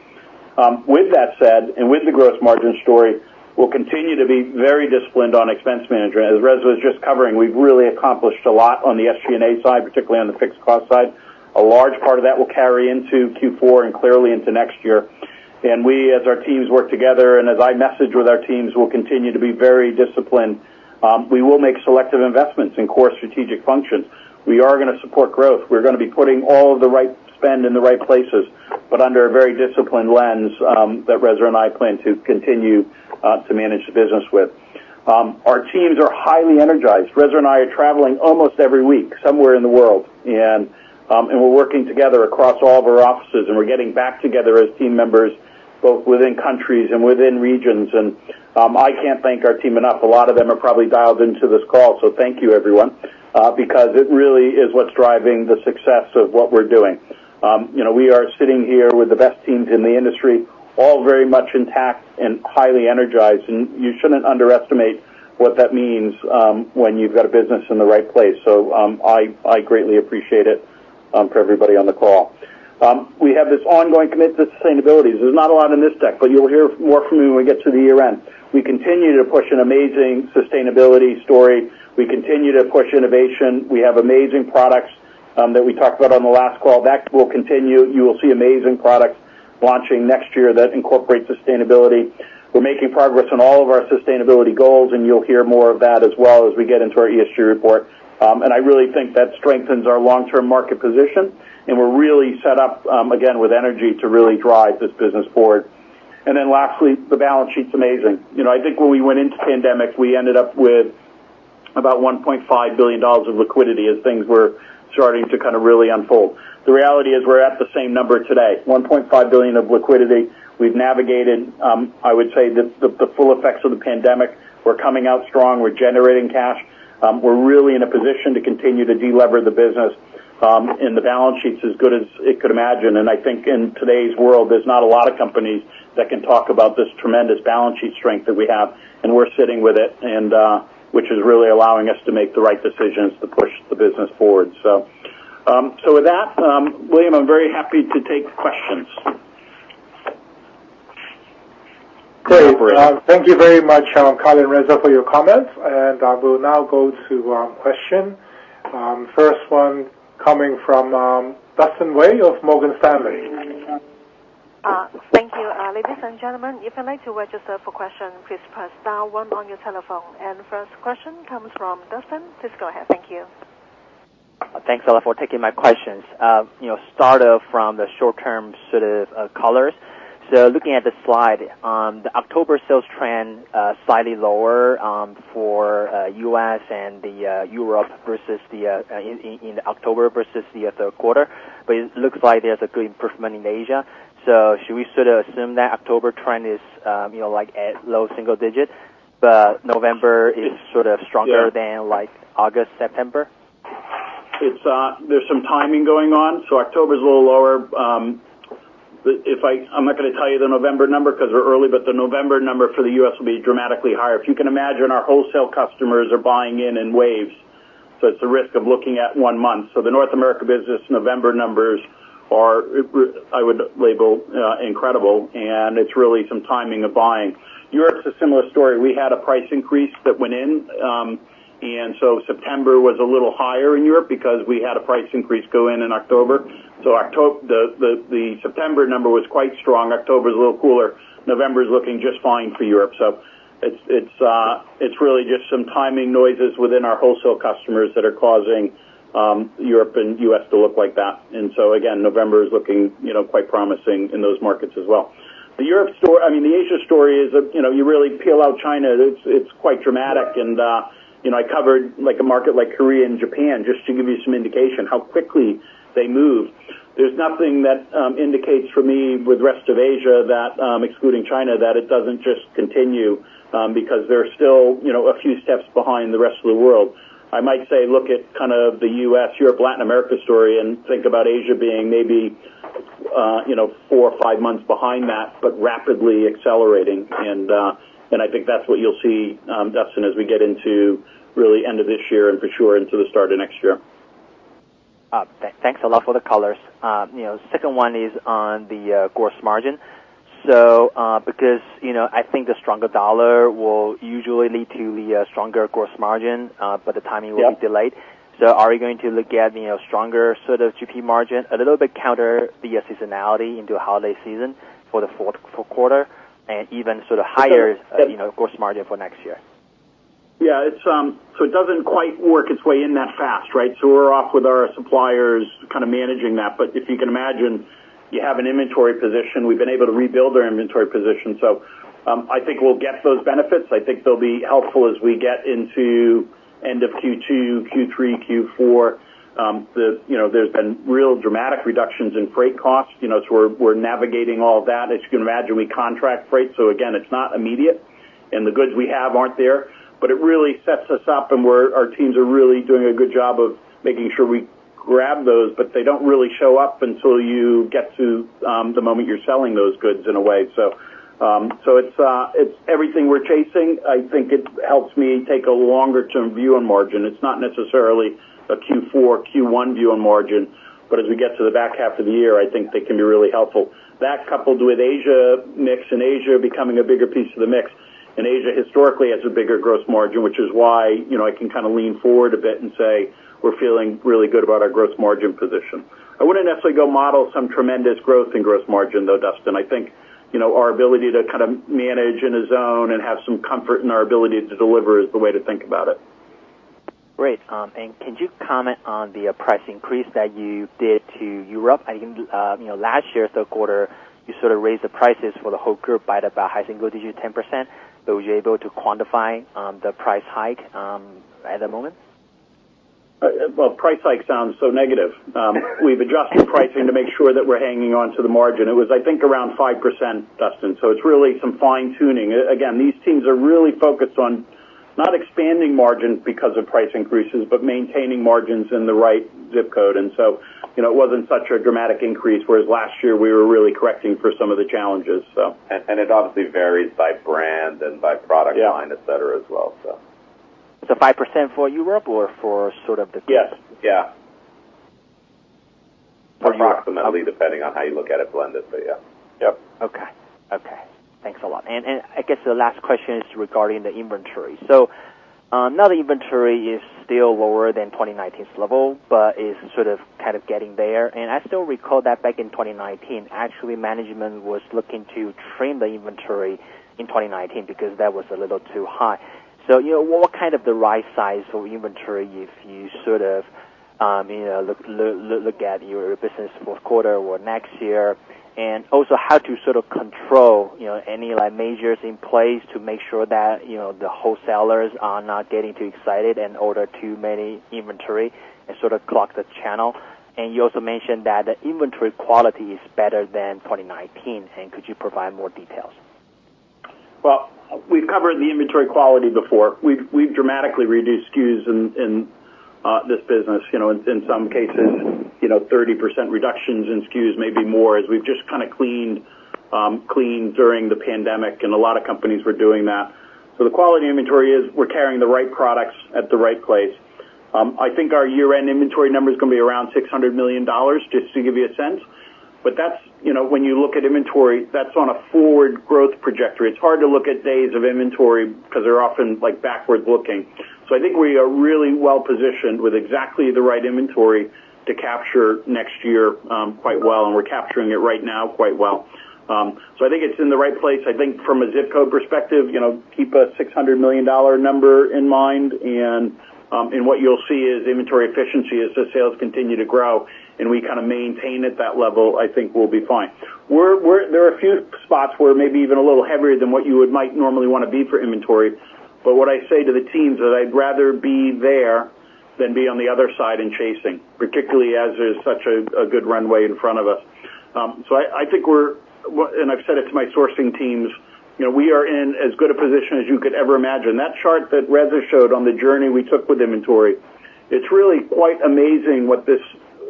With that said, and with the gross margin story, we'll continue to be very disciplined on expense management. As Reza was just covering, we've really accomplished a lot on the SG&A side, particularly on the fixed cost side. A large part of that will carry into Q4 and clearly into next year. We, as our teams work together and as I message with our teams, we'll continue to be very disciplined. We will make selective investments in core strategic functions. We are gonna support growth. We're gonna be putting all of the right spend in the right places, but under a very disciplined lens, that Reza and I plan to continue to manage the business with. Our teams are highly energized. Reza and I are traveling almost every week somewhere in the world, and we're working together across all of our offices, and we're getting back together as team members, both within countries and within regions. I can't thank our team enough. A lot of them are probably dialed into this call, so thank you, everyone, because it really is what's driving the success of what we're doing. You know, we are sitting here with the best teams in the industry, all very much intact and highly energized, and you shouldn't underestimate what that means, when you've got a business in the right place. I greatly appreciate it. For everybody on the call. We have this ongoing commitment to sustainability. There's not a lot in this deck, but you'll hear more from me when we get to the year-end. We continue to push an amazing sustainability story. We continue to push innovation. We have amazing products that we talked about on the last call. That will continue. You will see amazing products launching next year that incorporate sustainability. We're making progress on all of our sustainability goals, and you'll hear more of that as well as we get into our ESG report. I really think that strengthens our long-term market position, and we're really set up again, with energy to really drive this business forward. Lastly, the balance sheet's amazing. You know, I think when we went into the pandemic, we ended up with about $1.5 billion of liquidity as things were starting to kind of really unfold. The reality is we're at the same number today, $1.5 billion of liquidity. We've navigated. I would say the full effects of the pandemic. We're coming out strong. We're generating cash. We're really in a position to continue to delever the business. The balance sheet's as good as one could imagine. I think in today's world, there's not a lot of companies that can talk about this tremendous balance sheet strength that we have, and we're sitting with it, which is really allowing us to make the right decisions to push the business forward. With that, William, I'm very happy to take questions. Great. Thank you very much, Kyle and Reza, for your comments, and I will now go to question. First one coming from Dustin Wei of Morgan Stanley. Ladies and gentlemen, if you'd like to register for questions, please press star one on your telephone. First question comes from Dustin. Please go ahead. Thank you. Thanks a lot for taking my questions. You know, start off from the short-term sort of colors. Looking at the slide, the October sales trend slightly lower for U.S. and the Europe versus the in October versus the third quarter. It looks like there's a good improvement in Asia. Should we sort of assume that October trend is you know like at low single digits, but November is sort of stronger than like August, September? It's some timing going on, so October's a little lower. I'm not gonna tell you the November number 'cause we're early, but the November number for the US will be dramatically higher. If you can imagine, our wholesale customers are buying in waves, so it's a risk of looking at one month. The North America business November numbers are. I would label incredible, and it's really some timing of buying. Europe's a similar story. We had a price increase that went in, and so September was a little higher in Europe because we had a price increase go in October. The September number was quite strong. October's a little cooler. November is looking just fine for Europe. It's really just some timing noises within our wholesale customers that are causing Europe and U.S. to look like that. Again, November is looking, you know, quite promising in those markets as well. The Asia story is, you know, you really peel out China, it's quite dramatic. You know, I covered like a market like Korea and Japan just to give you some indication how quickly they moved. There's nothing that indicates for me with rest of Asia that, excluding China, that it doesn't just continue, because they're still, you know, a few steps behind the rest of the world. I might say look at kind of the U.S., Europe, Latin America story and think about Asia being maybe, you know, four or five months behind that, but rapidly accelerating. I think that's what you'll see, Dustin, as we get into really end of this year and for sure into the start of next year. Thanks a lot for the callers. You know, second one is on the gross margin. Because, you know, I think the stronger dollar will usually lead to the stronger gross margin, but the timing will be delayed. Yeah. Are you going to look at, you know, stronger sort of GP margin a little bit counter the seasonality into holiday season for the fourth quarter and even sort of higher, you know, gross margin for next year? Yeah, it's so it doesn't quite work its way in that fast, right? We're working with our suppliers kind of managing that. If you can imagine, you have an inventory position. We've been able to rebuild our inventory position. I think we'll get those benefits. I think they'll be helpful as we get into end of Q2, Q3, Q4. You know, there's been really dramatic reductions in freight costs. You know, so we're navigating all that. As you can imagine, we contract freight, so again, it's not immediate. The goods we have aren't there. It really sets us up, and our teams are really doing a good job of making sure we grab those, but they don't really show up until you get to the moment you're selling those goods in a way. It's everything we're chasing. I think it helps me take a longer term view on margin. It's not necessarily a Q4, Q1 view on margin, but as we get to the back half of the year, I think they can be really helpful. That coupled with Asia mix and Asia becoming a bigger piece of the mix. Asia historically has a bigger gross margin, which is why, you know, I can kind of lean forward a bit and say we're feeling really good about our gross margin position. I wouldn't necessarily go model some tremendous growth in gross margin though, Dustin. I think, you know, our ability to kind of manage in a zone and have some comfort in our ability to deliver is the way to think about it. Great. Could you comment on the price increase that you did in Europe? I think last year, third quarter, you sort of raised the prices for the whole group by high single-digit, 10%. Were you able to quantify the price hike at the moment? Well, price hike sounds so negative. We've adjusted pricing to make sure that we're hanging on to the margin. It was, I think, around 5%, Dustin. So it's really some fine-tuning. These teams are really focused on not expanding margins because of price increases, but maintaining margins in the right ZIP code. You know, it wasn't such a dramatic increase, whereas last year we were really correcting for some of the challenges. It obviously varies by brand and by product line, et cetera, as well, so. The 5% for Europe or for sort of the group? Yes. Yeah. Approximately, depending on how you look at it blended, but yeah. Yep. Okay. Okay. Thanks a lot. I guess the last question is regarding the inventory. Now the inventory is still lower than 2019's level, but is sort of kind of getting there. I still recall that back in 2019, actually management was looking to trim the inventory in 2019 because that was a little too high. You know, what kind of the right size for inventory if you sort of, you know, look at your business fourth quarter or next year? Also how to sort of control, you know, any like measures in place to make sure that, you know, the wholesalers are not getting too excited and order too many inventory and sort of clog the channel. You also mentioned that the inventory quality is better than 2019. Could you provide more details? Well, we've covered the inventory quality before. We've dramatically reduced SKUs in this business. You know, in some cases, you know, 30% reductions in SKUs, maybe more, as we've just kind of cleaned during the pandemic, and a lot of companies were doing that. The quality inventory is we're carrying the right products at the right place. I think our year-end inventory number is gonna be around $600 million, just to give you a sense. That's, you know, when you look at inventory, that's on a forward growth trajectory. It's hard to look at days of inventory because they're often, like, backward looking. I think we are really well positioned with exactly the right inventory to capture next year quite well, and we're capturing it right now quite well. I think it's in the right place. I think from a zip code perspective, you know, keep a $600 million number in mind. What you'll see is inventory efficiency as the sales continue to grow and we kind of maintain at that level, I think we'll be fine. There are a few spots where maybe even a little heavier than what you might normally wanna be for inventory. What I say to the teams is I'd rather be there than be on the other side and chasing, particularly as there's such a good runway in front of us. I've said it to my sourcing teams, you know, we are in as good a position as you could ever imagine. That chart that Reza showed on the journey we took with inventory, it's really quite amazing what this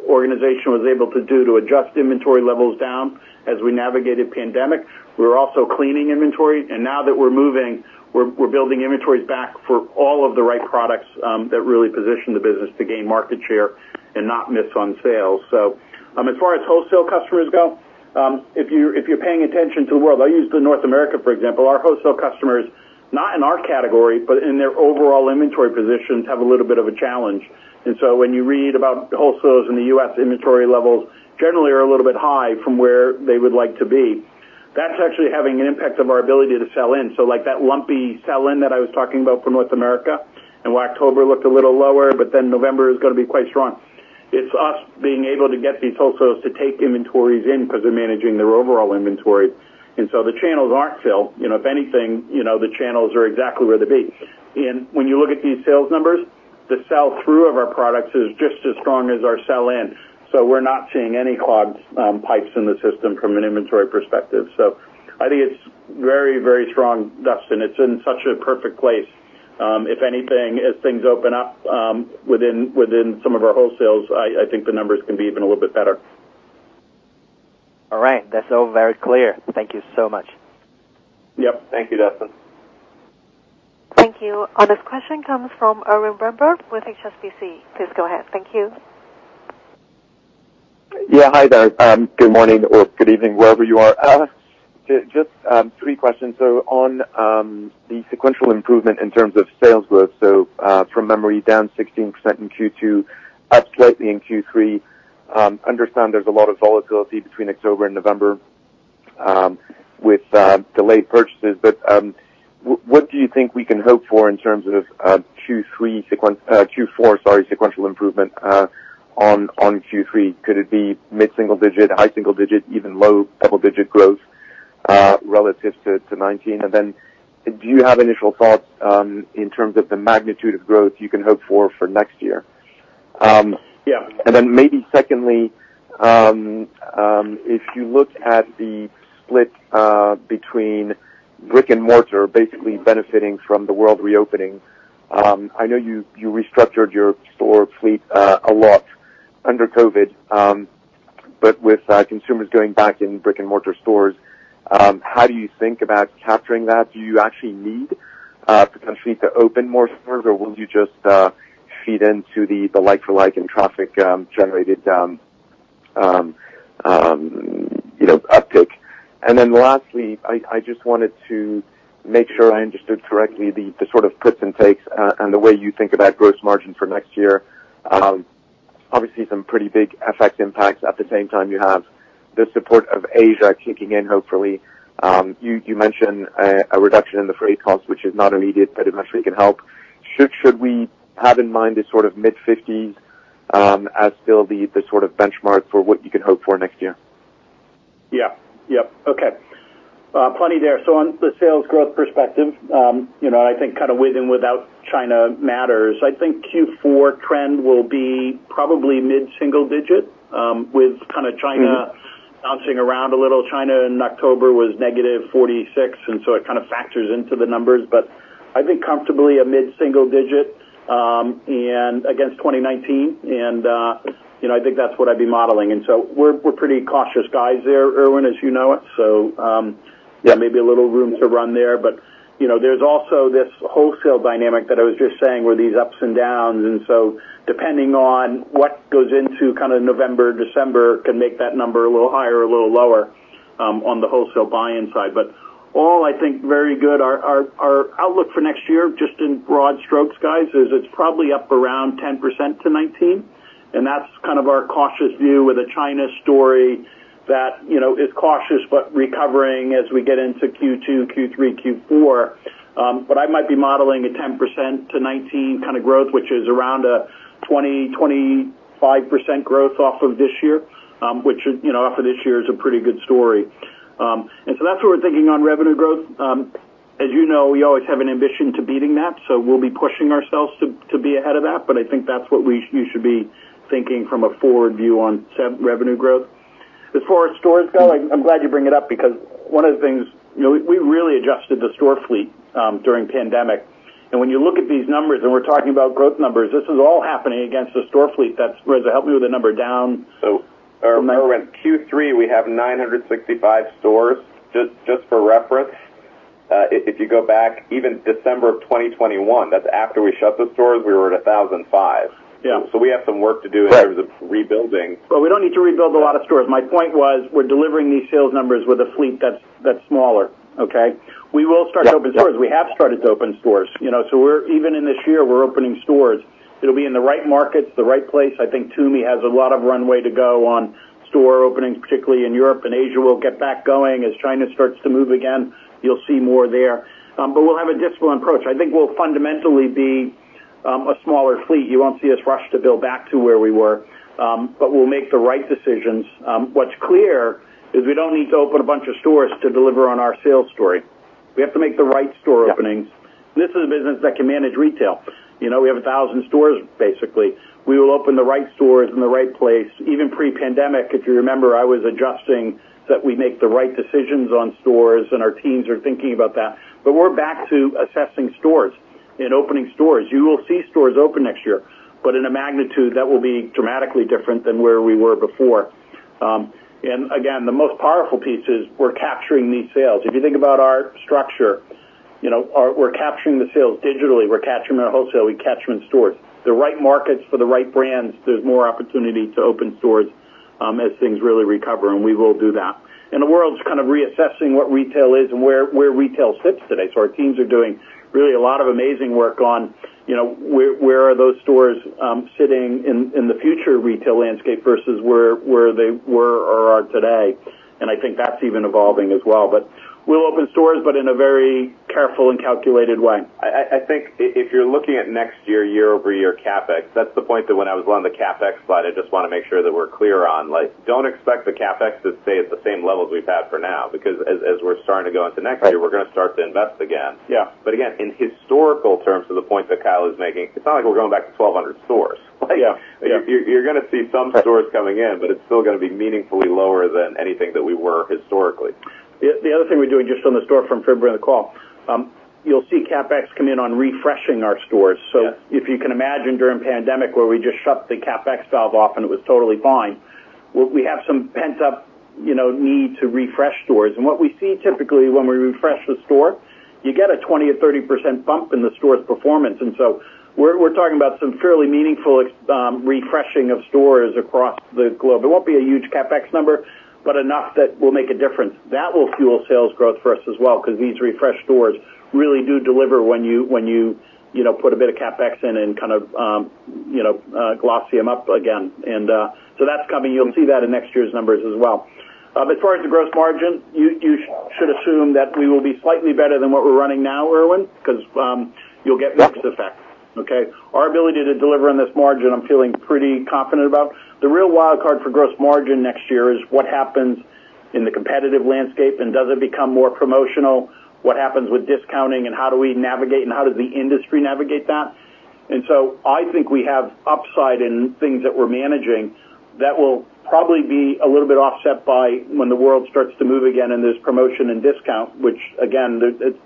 organization was able to do to adjust inventory levels down as we navigated pandemic. We were also cleaning inventory. Now that we're moving, we're building inventories back for all of the right products that really position the business to gain market share and not miss on sales. As far as wholesale customers go, if you're paying attention to the world, I'll use North America, for example. Our wholesale customers, not in our category, but in their overall inventory positions, have a little bit of a challenge. When you read about wholesalers in the U.S., inventory levels generally are a little bit high from where they would like to be. That's actually having an impact on our ability to sell in. Like that lumpy sell-in that I was talking about for North America and why October looked a little lower, but then November is gonna be quite strong. It's us being able to get these wholesalers to take inventories in because they're managing their overall inventory. The channels aren't filled. You know, if anything, you know, the channels are exactly where they be. When you look at these sales numbers, the sell-through of our products is just as strong as our sell in. We're not seeing any clogged pipes in the system from an inventory perspective. I think it's very, very strong, Dustin. It's in such a perfect place. If anything, as things open up within some of our wholesalers, I think the numbers can be even a little bit better. All right. That's all very clear. Thank you so much. Yep. Thank you, Dustin. Thank you. Our next question comes from Erwan Rambourg with HSBC. Please go ahead. Thank you. Yeah. Hi there. Good morning or good evening, wherever you are. Just three questions. On the sequential improvement in terms of sales growth, from memory down 16% in Q2, up slightly in Q3. Understand there's a lot of volatility between October and November with delayed purchases. What do you think we can hope for in terms of Q4 sequential improvement on Q3? Could it be mid-single digit, high single digit, even low double-digit growth relative to 2019? And then do you have initial thoughts in terms of the magnitude of growth you can hope for next year? Yeah. Maybe secondly, if you look at the split between brick and mortar basically benefiting from the world reopening, I know you restructured your store fleet a lot under COVID. With consumers going back in brick and mortar stores, how do you think about capturing that? Do you actually need potentially to open more stores, or will you just feed into the like for like in traffic generated, you know, uptick? Lastly, I just wanted to make sure I understood correctly the sort of puts and takes and the way you think about gross margin for next year. Obviously some pretty big FX impacts. At the same time, you have the support of Asia kicking in, hopefully. You mentioned a reduction in the freight cost, which is not immediate, but it eventually can help. Should we have in mind this sort of mid-fifties as still the sort of benchmark for what you can hope for next year? Yeah. Yep. Okay. Plenty there. On the sales growth perspective, you know, I think kind of with and without China matters. I think Q4 trend will be probably mid-single-digit%, with kind of China bouncing around a little. China in October was -46%, and so it kind of factors into the numbers. I think comfortably a mid-single-digit, and against 2019, you know, I think that's what I'd be modeling. We're pretty cautious guys there, Erwan, as you know us. Yeah, maybe a little room to run there. You know, there's also this wholesale dynamic that I was just saying, where these ups and downs, and so depending on what goes into kind of November, December can make that number a little higher or a little lower, on the wholesale buy-in side. Overall, I think, very good. Our outlook for next year, just in broad strokes, guys, is. It's probably up around 10%-19%, and that's kind of our cautious view with the China story that, you know, is cautious but recovering as we get into Q2, Q3, Q4. I might be modeling a 10%-19% kind of growth, which is around a 20-25% growth off of this year, which is, you know, off of this year is a pretty good story. That's what we're thinking on revenue growth. As you know, we always have an ambition to beating that, so we'll be pushing ourselves to be ahead of that. I think that's what you should be thinking from a forward view on revenue growth. As far as stores go, I'm glad you bring it up because one of the things, you know, we really adjusted the store fleet during pandemic. When you look at these numbers, and we're talking about growth numbers, this is all happening against a store fleet that's Reza, help me with the number down. Remember in Q3, we have 965 stores, just for reference. If you go back even December of 2021, that's after we shut the stores, we were at 1,005. Yeah. We have some work to do in terms of rebuilding. We don't need to rebuild a lot of stores. My point was, we're delivering these sales numbers with a fleet that's smaller, okay? We will start to open stores. We have started to open stores. You know, even in this year, we're opening stores. It'll be in the right markets, the right place. I think Tumi has a lot of runway to go on store openings, particularly in Europe and Asia. We'll get back going. As China starts to move again, you'll see more there. We'll have a disciplined approach. I think we'll fundamentally be a smaller fleet. You won't see us rush to build back to where we were, but we'll make the right decisions. What's clear is we don't need to open a bunch of stores to deliver on our sales story. We have to make the right store openings. Yeah. This is a business that can manage retail. You know, we have 1,000 stores, basically. We will open the right stores in the right place. Even pre-pandemic, if you remember, I was adjusting that we make the right decisions on stores, and our teams are thinking about that. We're back to assessing stores and opening stores. You will see stores open next year, but in a magnitude that will be dramatically different than where we were before. Again, the most powerful piece is we're capturing these sales. If you think about our structure, you know, we're capturing the sales digitally. We're capturing the wholesale. We catch them in stores. The right markets for the right brands, there's more opportunity to open stores, as things really recover, and we will do that. The world's kind of reassessing what retail is and where retail sits today. Our teams are doing really a lot of amazing work on, you know, where are those stores sitting in the future retail landscape versus where they were or are today. I think that's even evolving as well. We'll open stores, but in a very careful and calculated way. I think if you're looking at next year-over-year CapEx, that's the point that when I was running the CapEx slide, I just wanna make sure that we're clear on, like, don't expect the CapEx to stay at the same levels we've had for now, because as we're starting to go into next year, we're gonna start to invest again. Yeah. Again, in historical terms, to the point that Kyle is making, it's not like we're going back to 1,200 stores, right? Yeah. Yeah. You're gonna see some stores coming in, but it's still gonna be meaningfully lower than anything that we were historically. The other thing we're doing just on the storefront for everyone on the call. You'll see CapEx come in on refreshing our stores. Yeah. If you can imagine during pandemic where we just shut the CapEx valve off and it was totally fine, we have some pent-up, you know, need to refresh stores. What we see typically when we refresh the store, you get a 20%-30% bump in the store's performance. We're talking about some fairly meaningful refreshing of stores across the globe. It won't be a huge CapEx number, but enough that will make a difference. That will fuel sales growth for us as well, because these refreshed stores really do deliver when you know, put a bit of CapEx in and kind of, you know, glossy them up again. That's coming. You'll see that in next year's numbers as well. As far as the gross margin, you should assume that we will be slightly better than what we're running now, Erwan, because you'll get mix effect, okay? Our ability to deliver on this margin, I'm feeling pretty confident about. The real wild card for gross margin next year is what happens in the competitive landscape, and does it become more promotional? What happens with discounting and how do we navigate and how does the industry navigate that? I think we have upside in things that we're managing that will probably be a little bit offset by when the world starts to move again and there's promotion and discount, which again,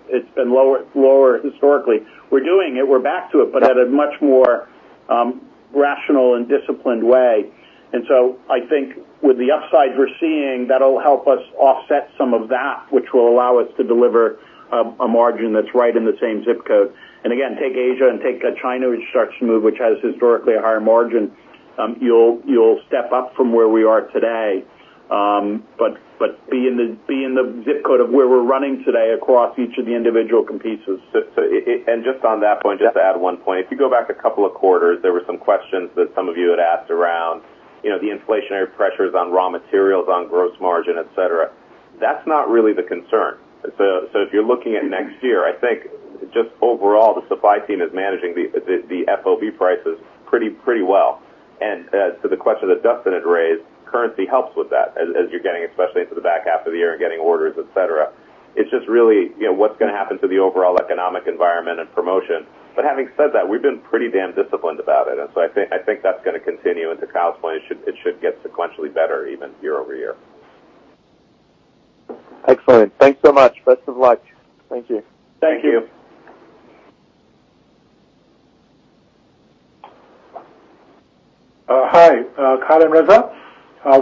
it's been lower historically. We're doing it. We're back to it, but at a much more rational and disciplined way. I think with the upside we're seeing, that'll help us offset some of that, which will allow us to deliver a margin that's right in the same zip code. Again, take Asia and take China, which starts to move, which has historically a higher margin, you'll step up from where we are today. But be in the zip code of where we're running today across each of the individual competitors. just on that point, just to add one point. If you go back a couple of quarters, there were some questions that some of you had asked around, you know, the inflationary pressures on raw materials, on gross margin, et cetera. That's not really the concern. if you're looking at next year, I think just overall, the supply team is managing the FOB prices pretty well. to the question that Dustin had raised, currency helps with that as you're getting especially into the back half of the year and getting orders, et cetera. It's just really, you know, what's gonna happen to the overall economic environment and promotion. having said that, we've been pretty damn disciplined about it. I think that's gonna continue and to Kyle's point, it should get sequentially better even year over year. Excellent. Thanks so much. Best of luck. Thank you. Thank you. Hi, Kyle and Reza.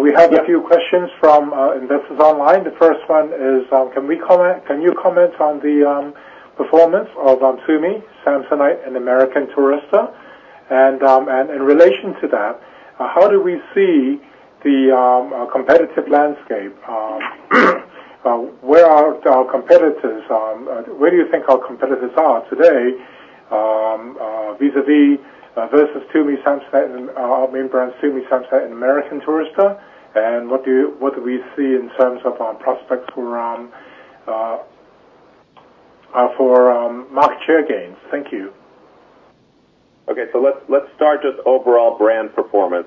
We have a few questions from investors online. The first one is, can you comment on the performance of Tumi, Samsonite and American Tourister? In relation to that, how do we see the competitive landscape? Where are our competitors, where do you think our competitors are today, vis-a-vis versus Tumi, Samsonite and our main brands, Tumi, Samsonite and American Tourister? What do we see in terms of our prospects around for market share gains? Thank you. Okay. Let's start just overall brand performance.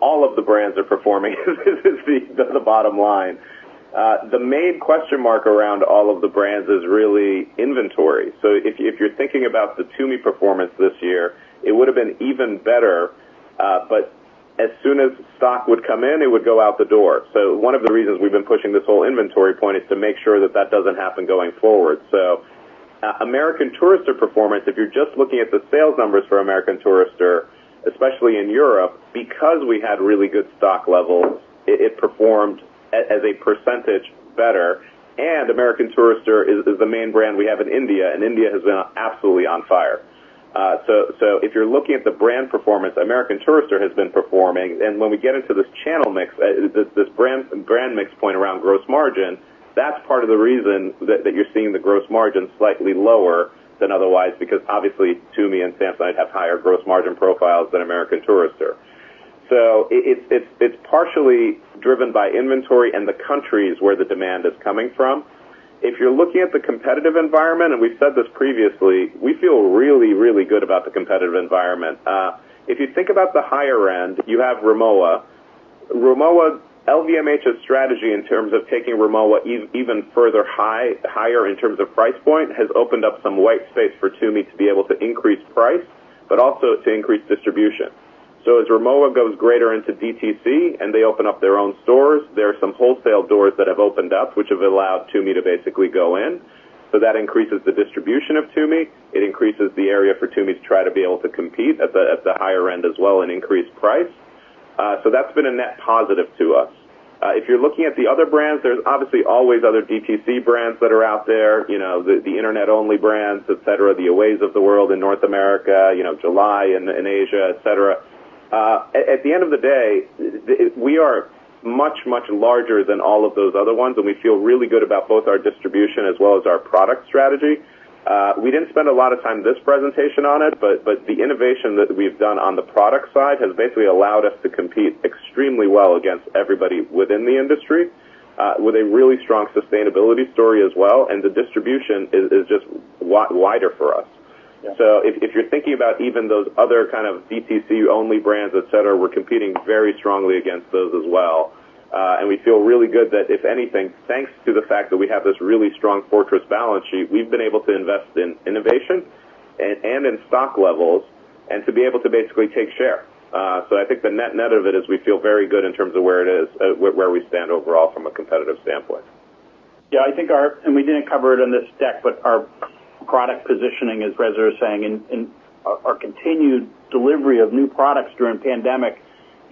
All of the brands are performing is the bottom line. The main question mark around all of the brands is really inventory. If you're thinking about the Tumi performance this year, it would have been even better, but as soon as stock would come in, it would go out the door. One of the reasons we've been pushing this whole inventory point is to make sure that doesn't happen going forward. American Tourister performance, if you're just looking at the sales numbers for American Tourister, especially in Europe, because we had really good stock levels, it performed as a percentage better. American Tourister is the main brand we have in India, and India has been absolutely on fire. If you're looking at the brand performance, American Tourister has been performing. When we get into this channel mix, this brand mix point around gross margin, that's part of the reason that you're seeing the gross margin slightly lower than otherwise, because obviously, Tumi and Samsonite have higher gross margin profiles than American Tourister. It's partially driven by inventory and the countries where the demand is coming from. If you're looking at the competitive environment, and we've said this previously, we feel really good about the competitive environment. If you think about the higher end, you have Rimowa. Rimowa LVMH's strategy in terms of taking Rimowa even further higher in terms of price point, has opened up some white space for Tumi to be able to increase price, but also to increase distribution. As Rimowa goes deeper into DTC and they open up their own stores, there are some wholesale doors that have opened up, which have allowed Tumi to basically go in. That increases the distribution of Tumi. It increases the area for Tumi to try to be able to compete at the higher end as well and increase price. That's been a net positive to us. If you're looking at the other brands, there's obviously always other DTC brands that are out there, you know, the internet-only brands, et cetera, the Aways of the world in North America, you know, July in Asia, et cetera. At the end of the day, we are much larger than all of those other ones, and we feel really good about both our distribution as well as our product strategy. We didn't spend a lot of time in this presentation on it, but the innovation that we've done on the product side has basically allowed us to compete extremely well against everybody within the industry, with a really strong sustainability story as well. The distribution is just a lot wider for us. Yeah. If you're thinking about even those other kind of DTC only brands, et cetera, we're competing very strongly against those as well. We feel really good that if anything, thanks to the fact that we have this really strong fortress balance sheet, we've been able to invest in innovation and in stock levels and to be able to basically take share. I think the net-net of it is we feel very good in terms of where it is, where we stand overall from a competitive standpoint. Yeah. I think we didn't cover it in this deck, but our product positioning, as Reza was saying, and our continued delivery of new products during pandemic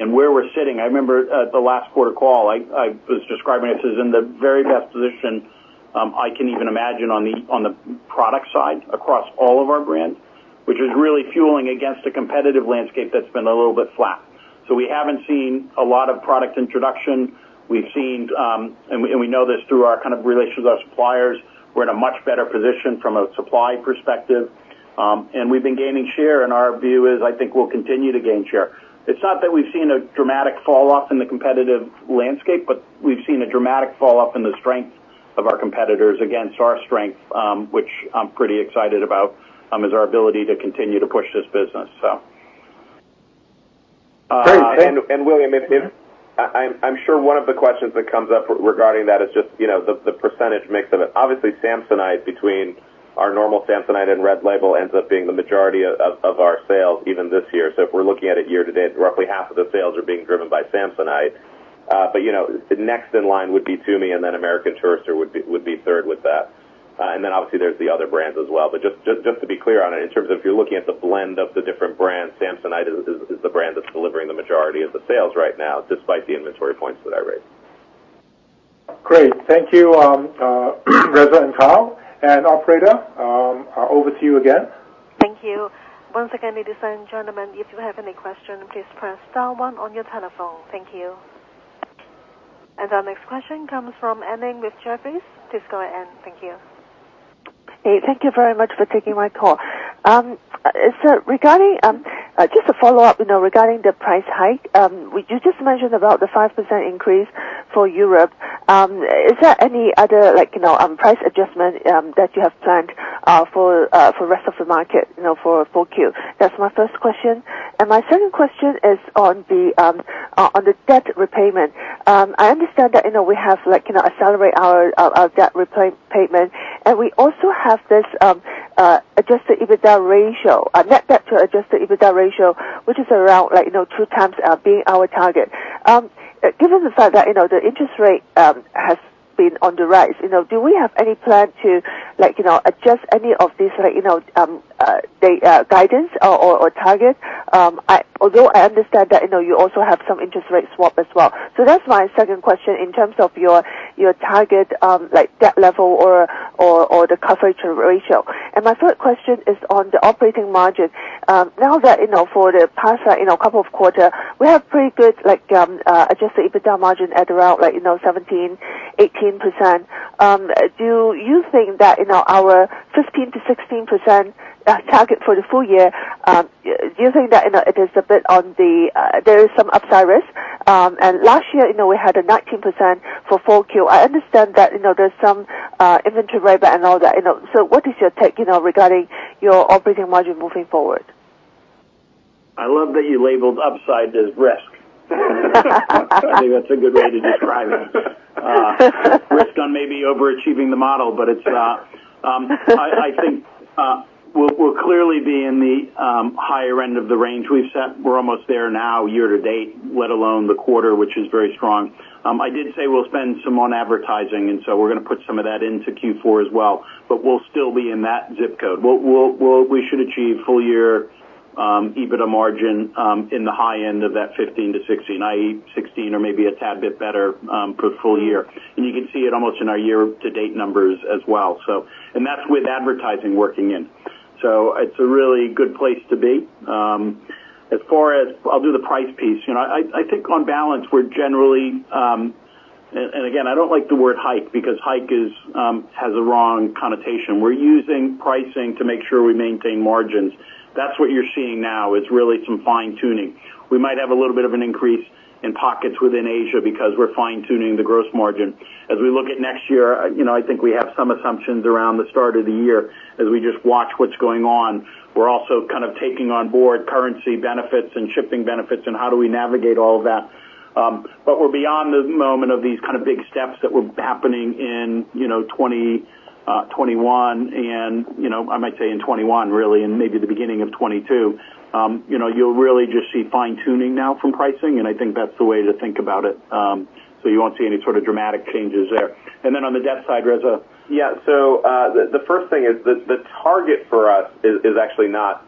and where we're sitting. I remember at the last quarter call, I was describing this as in the very best position I can even imagine on the product side across all of our brands, which is really fueling against a competitive landscape that's been a little bit flat. We haven't seen a lot of product introduction. We've seen and we know this through our kind of relationship with our suppliers. We're in a much better position from a supply perspective. We've been gaining share, and our view is, I think we'll continue to gain share. It's not that we've seen a dramatic fall off in the competitive landscape, but we've seen a dramatic fall off in the strength of our competitors against our strength, which I'm pretty excited about, is our ability to continue to push this business, so. Great. William, I'm sure one of the questions that comes up regarding that is just, you know, the percentage mix of it. Obviously, Samsonite between our normal Samsonite and Samsonite RED ends up being the majority of our sales even this year. If we're looking at it year to date, roughly half of the sales are being driven by Samsonite. You know, the next in line would be Tumi, and then American Tourister would be third with that. Obviously, there's the other brands as well. Just to be clear on it, in terms of if you're looking at the blend of the different brands, Samsonite is the brand that's delivering the majority of the sales right now, despite the inventory points that I raised. Great. Thank you, Reza and Kyle. Operator, over to you again. Thank you. Once again, ladies and gentlemen, if you have any questions, please press star one on your telephone. Thank you. Our next question comes from Anne Ling with Jefferies. Please go ahead and thank you. Hey, thank you very much for taking my call. So regarding, just to follow up, you know, regarding the price hike, would you just mention about the 5% increase for Europe? Is there any other, like, you know, price adjustment that you have planned for rest of the market, you know, for 4Q? That's my first question. My second question is on the debt repayment. I understand that, you know, we have like, you know, accelerate our debt repayment, and we also have this Adjusted EBITDA ratio. Our net debt to Adjusted EBITDA ratio, which is around like, you know, 2x, being our target. Given the fact that, you know, the interest rate has been on the rise, you know, do we have any plan to like, you know, adjust any of this, like, you know, the guidance or target? Although I understand that, you know, you also have some interest rate swap as well. So that's my second question in terms of your target, like debt level or the coverage ratio. My third question is on the operating margin. Now that, you know, for the past, you know, couple of quarter, we have pretty good like Adjusted EBITDA margin at around like, you know, 17%-18%. Do you think that, you know, our 15%-16% target for the full year, do you think that, you know, it is a bit on the, there is some upside risk? Last year, you know, we had a 19% for the full year. I understand that, you know, there's some inventory write-back and all that, you know. What is your take, you know, regarding your operating margin moving forward? I love that you labeled upside as risk. I think that's a good way to describe it. Risk on maybe overachieving the model, but it's I think we'll clearly be in the higher end of the range we've set. We're almost there now year to date, let alone the quarter, which is very strong. I did say we'll spend some on advertising, and so we're gonna put some of that into Q4 as well, but we'll still be in that zip code. We should achieve full year EBITDA margin in the high end of that 15%-16%, i.e., 16% or maybe a tad bit better for the full year. You can see it almost in our year to date numbers as well. That's with advertising working in. It's a really good place to be. I'll do the price piece. You know, I think on balance, we're generally. Again, I don't like the word hike because hike has the wrong connotation. We're using pricing to make sure we maintain margins. That's what you're seeing now is really some fine-tuning. We might have a little bit of an increase in pockets within Asia because we're fine-tuning the gross margin. As we look at next year, you know, I think we have some assumptions around the start of the year as we just watch what's going on. We're also kind of taking on board currency benefits and shipping benefits and how do we navigate all of that? We're beyond the moment of these kind of big steps that were happening in, you know, 2021 and, you know, I might say in 2021 really, and maybe the beginning of 2022. You know, you'll really just see fine-tuning now from pricing, and I think that's the way to think about it. You won't see any sort of dramatic changes there. Then on the debt side, Reza. Yeah. The first thing is the target for us is actually not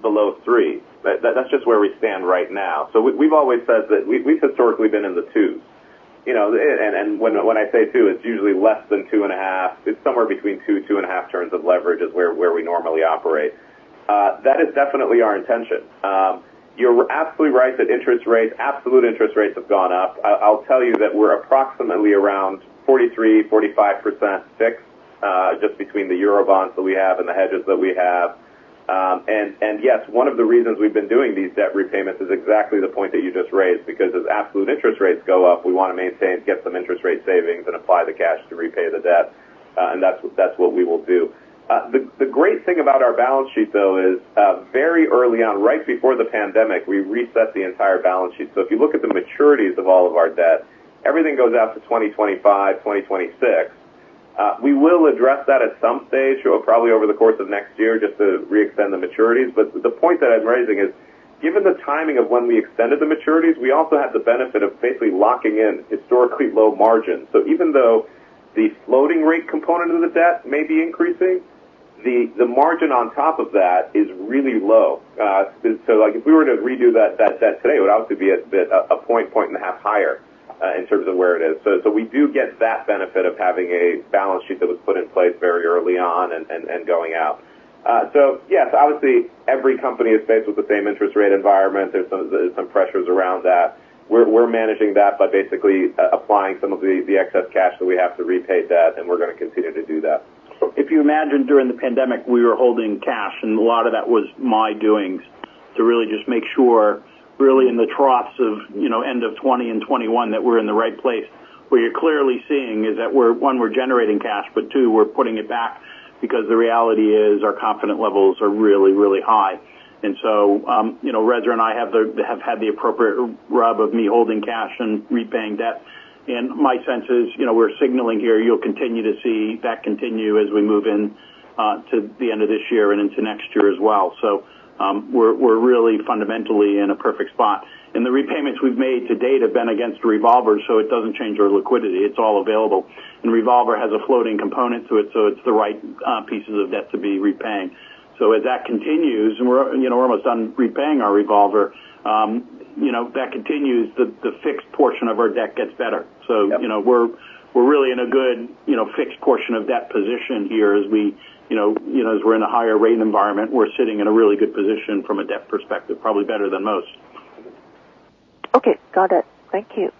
below 3. That's just where we stand right now. We've always said that we've historically been in the 2s, you know. When I say 2, it's usually less than 2.5. It's somewhere between 2 and 2.5 turns of leverage is where we normally operate. That is definitely our intention. You're absolutely right that interest rates, absolute interest rates have gone up. I'll tell you that we're approximately around 43%-45% fixed, just between the Eurobonds that we have and the hedges that we have. Yes, one of the reasons we've been doing these debt repayments is exactly the point that you just raised, because as absolute interest rates go up, we wanna maintain, get some interest rate savings and apply the cash to repay the debt. That's what we will do. The great thing about our balance sheet, though, is very early on, right before the pandemic, we reset the entire balance sheet. If you look at the maturities of all of our debt, everything goes out to 2025, 2026. We will address that at some stage, so probably over the course of next year, just to reextend the maturities. The point that I'm raising is, given the timing of when we extended the maturities, we also had the benefit of basically locking in historically low margins. Even though the floating rate component of the debt may be increasing, the margin on top of that is really low. Like if we were to redo that debt today, it would obviously be a bit a point and a half higher in terms of where it is. We do get that benefit of having a balance sheet that was put in place very early on and going out. Yes, obviously every company is faced with the same interest rate environment. There's some pressures around that. We're managing that by basically applying some of the excess cash that we have to repay debt, and we're gonna continue to do that. If you imagine during the pandemic, we were holding cash and a lot of that was my doings to really just make sure really in the troughs of, you know, end of 2020 and 2021 that we're in the right place. What you're clearly seeing is that we're one, we're generating cash, but two, we're putting it back because the reality is our confidence levels are really, really high. You know, Reza and I have had the appropriate rub of me holding cash and repaying debt. My sense is, you know, we're signaling here you'll continue to see that continue as we move in to the end of this year and into next year as well. We're really fundamentally in a perfect spot. The repayments we've made to date have been against revolvers, so it doesn't change our liquidity. It's all available. Revolver has a floating component to it, so it's the right pieces of debt to be repaying. As that continues and we're, you know, almost done repaying our revolver, you know, that continues the fixed portion of our debt gets better. Yep. You know, we're really in a good, you know, fixed portion of debt position here as we, you know, as we're in a higher rate environment, we're sitting in a really good position from a debt perspective, probably better than most. Okay. Got it. Thank you.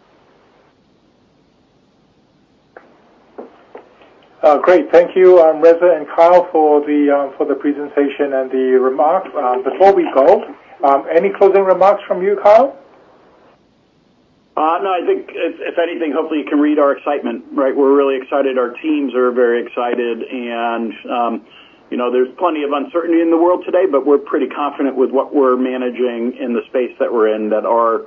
Great. Thank you, Reza and Kyle for the presentation and the remarks. Before we go, any closing remarks from you, Kyle? No, I think if anything, hopefully you can read our excitement, right? We're really excited. Our teams are very excited. You know, there's plenty of uncertainty in the world today, but we're pretty confident with what we're managing in the space that we're in, that our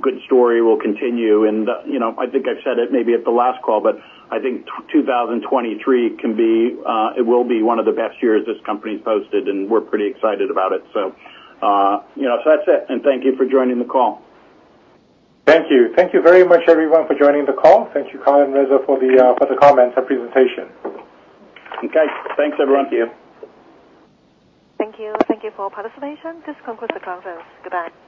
good story will continue. You know, I think I've said it maybe at the last call, but I think 2023 can be it will be one of the best years this company's posted, and we're pretty excited about it. You know, so that's it, and thank you for joining the call. Thank you. Thank you very much, everyone, for joining the call. Thank you, Kyle and Reza for the comments and presentation. Okay. Thanks, everyone. See you. Thank you. Thank you for participation. This concludes the conference. Goodbye.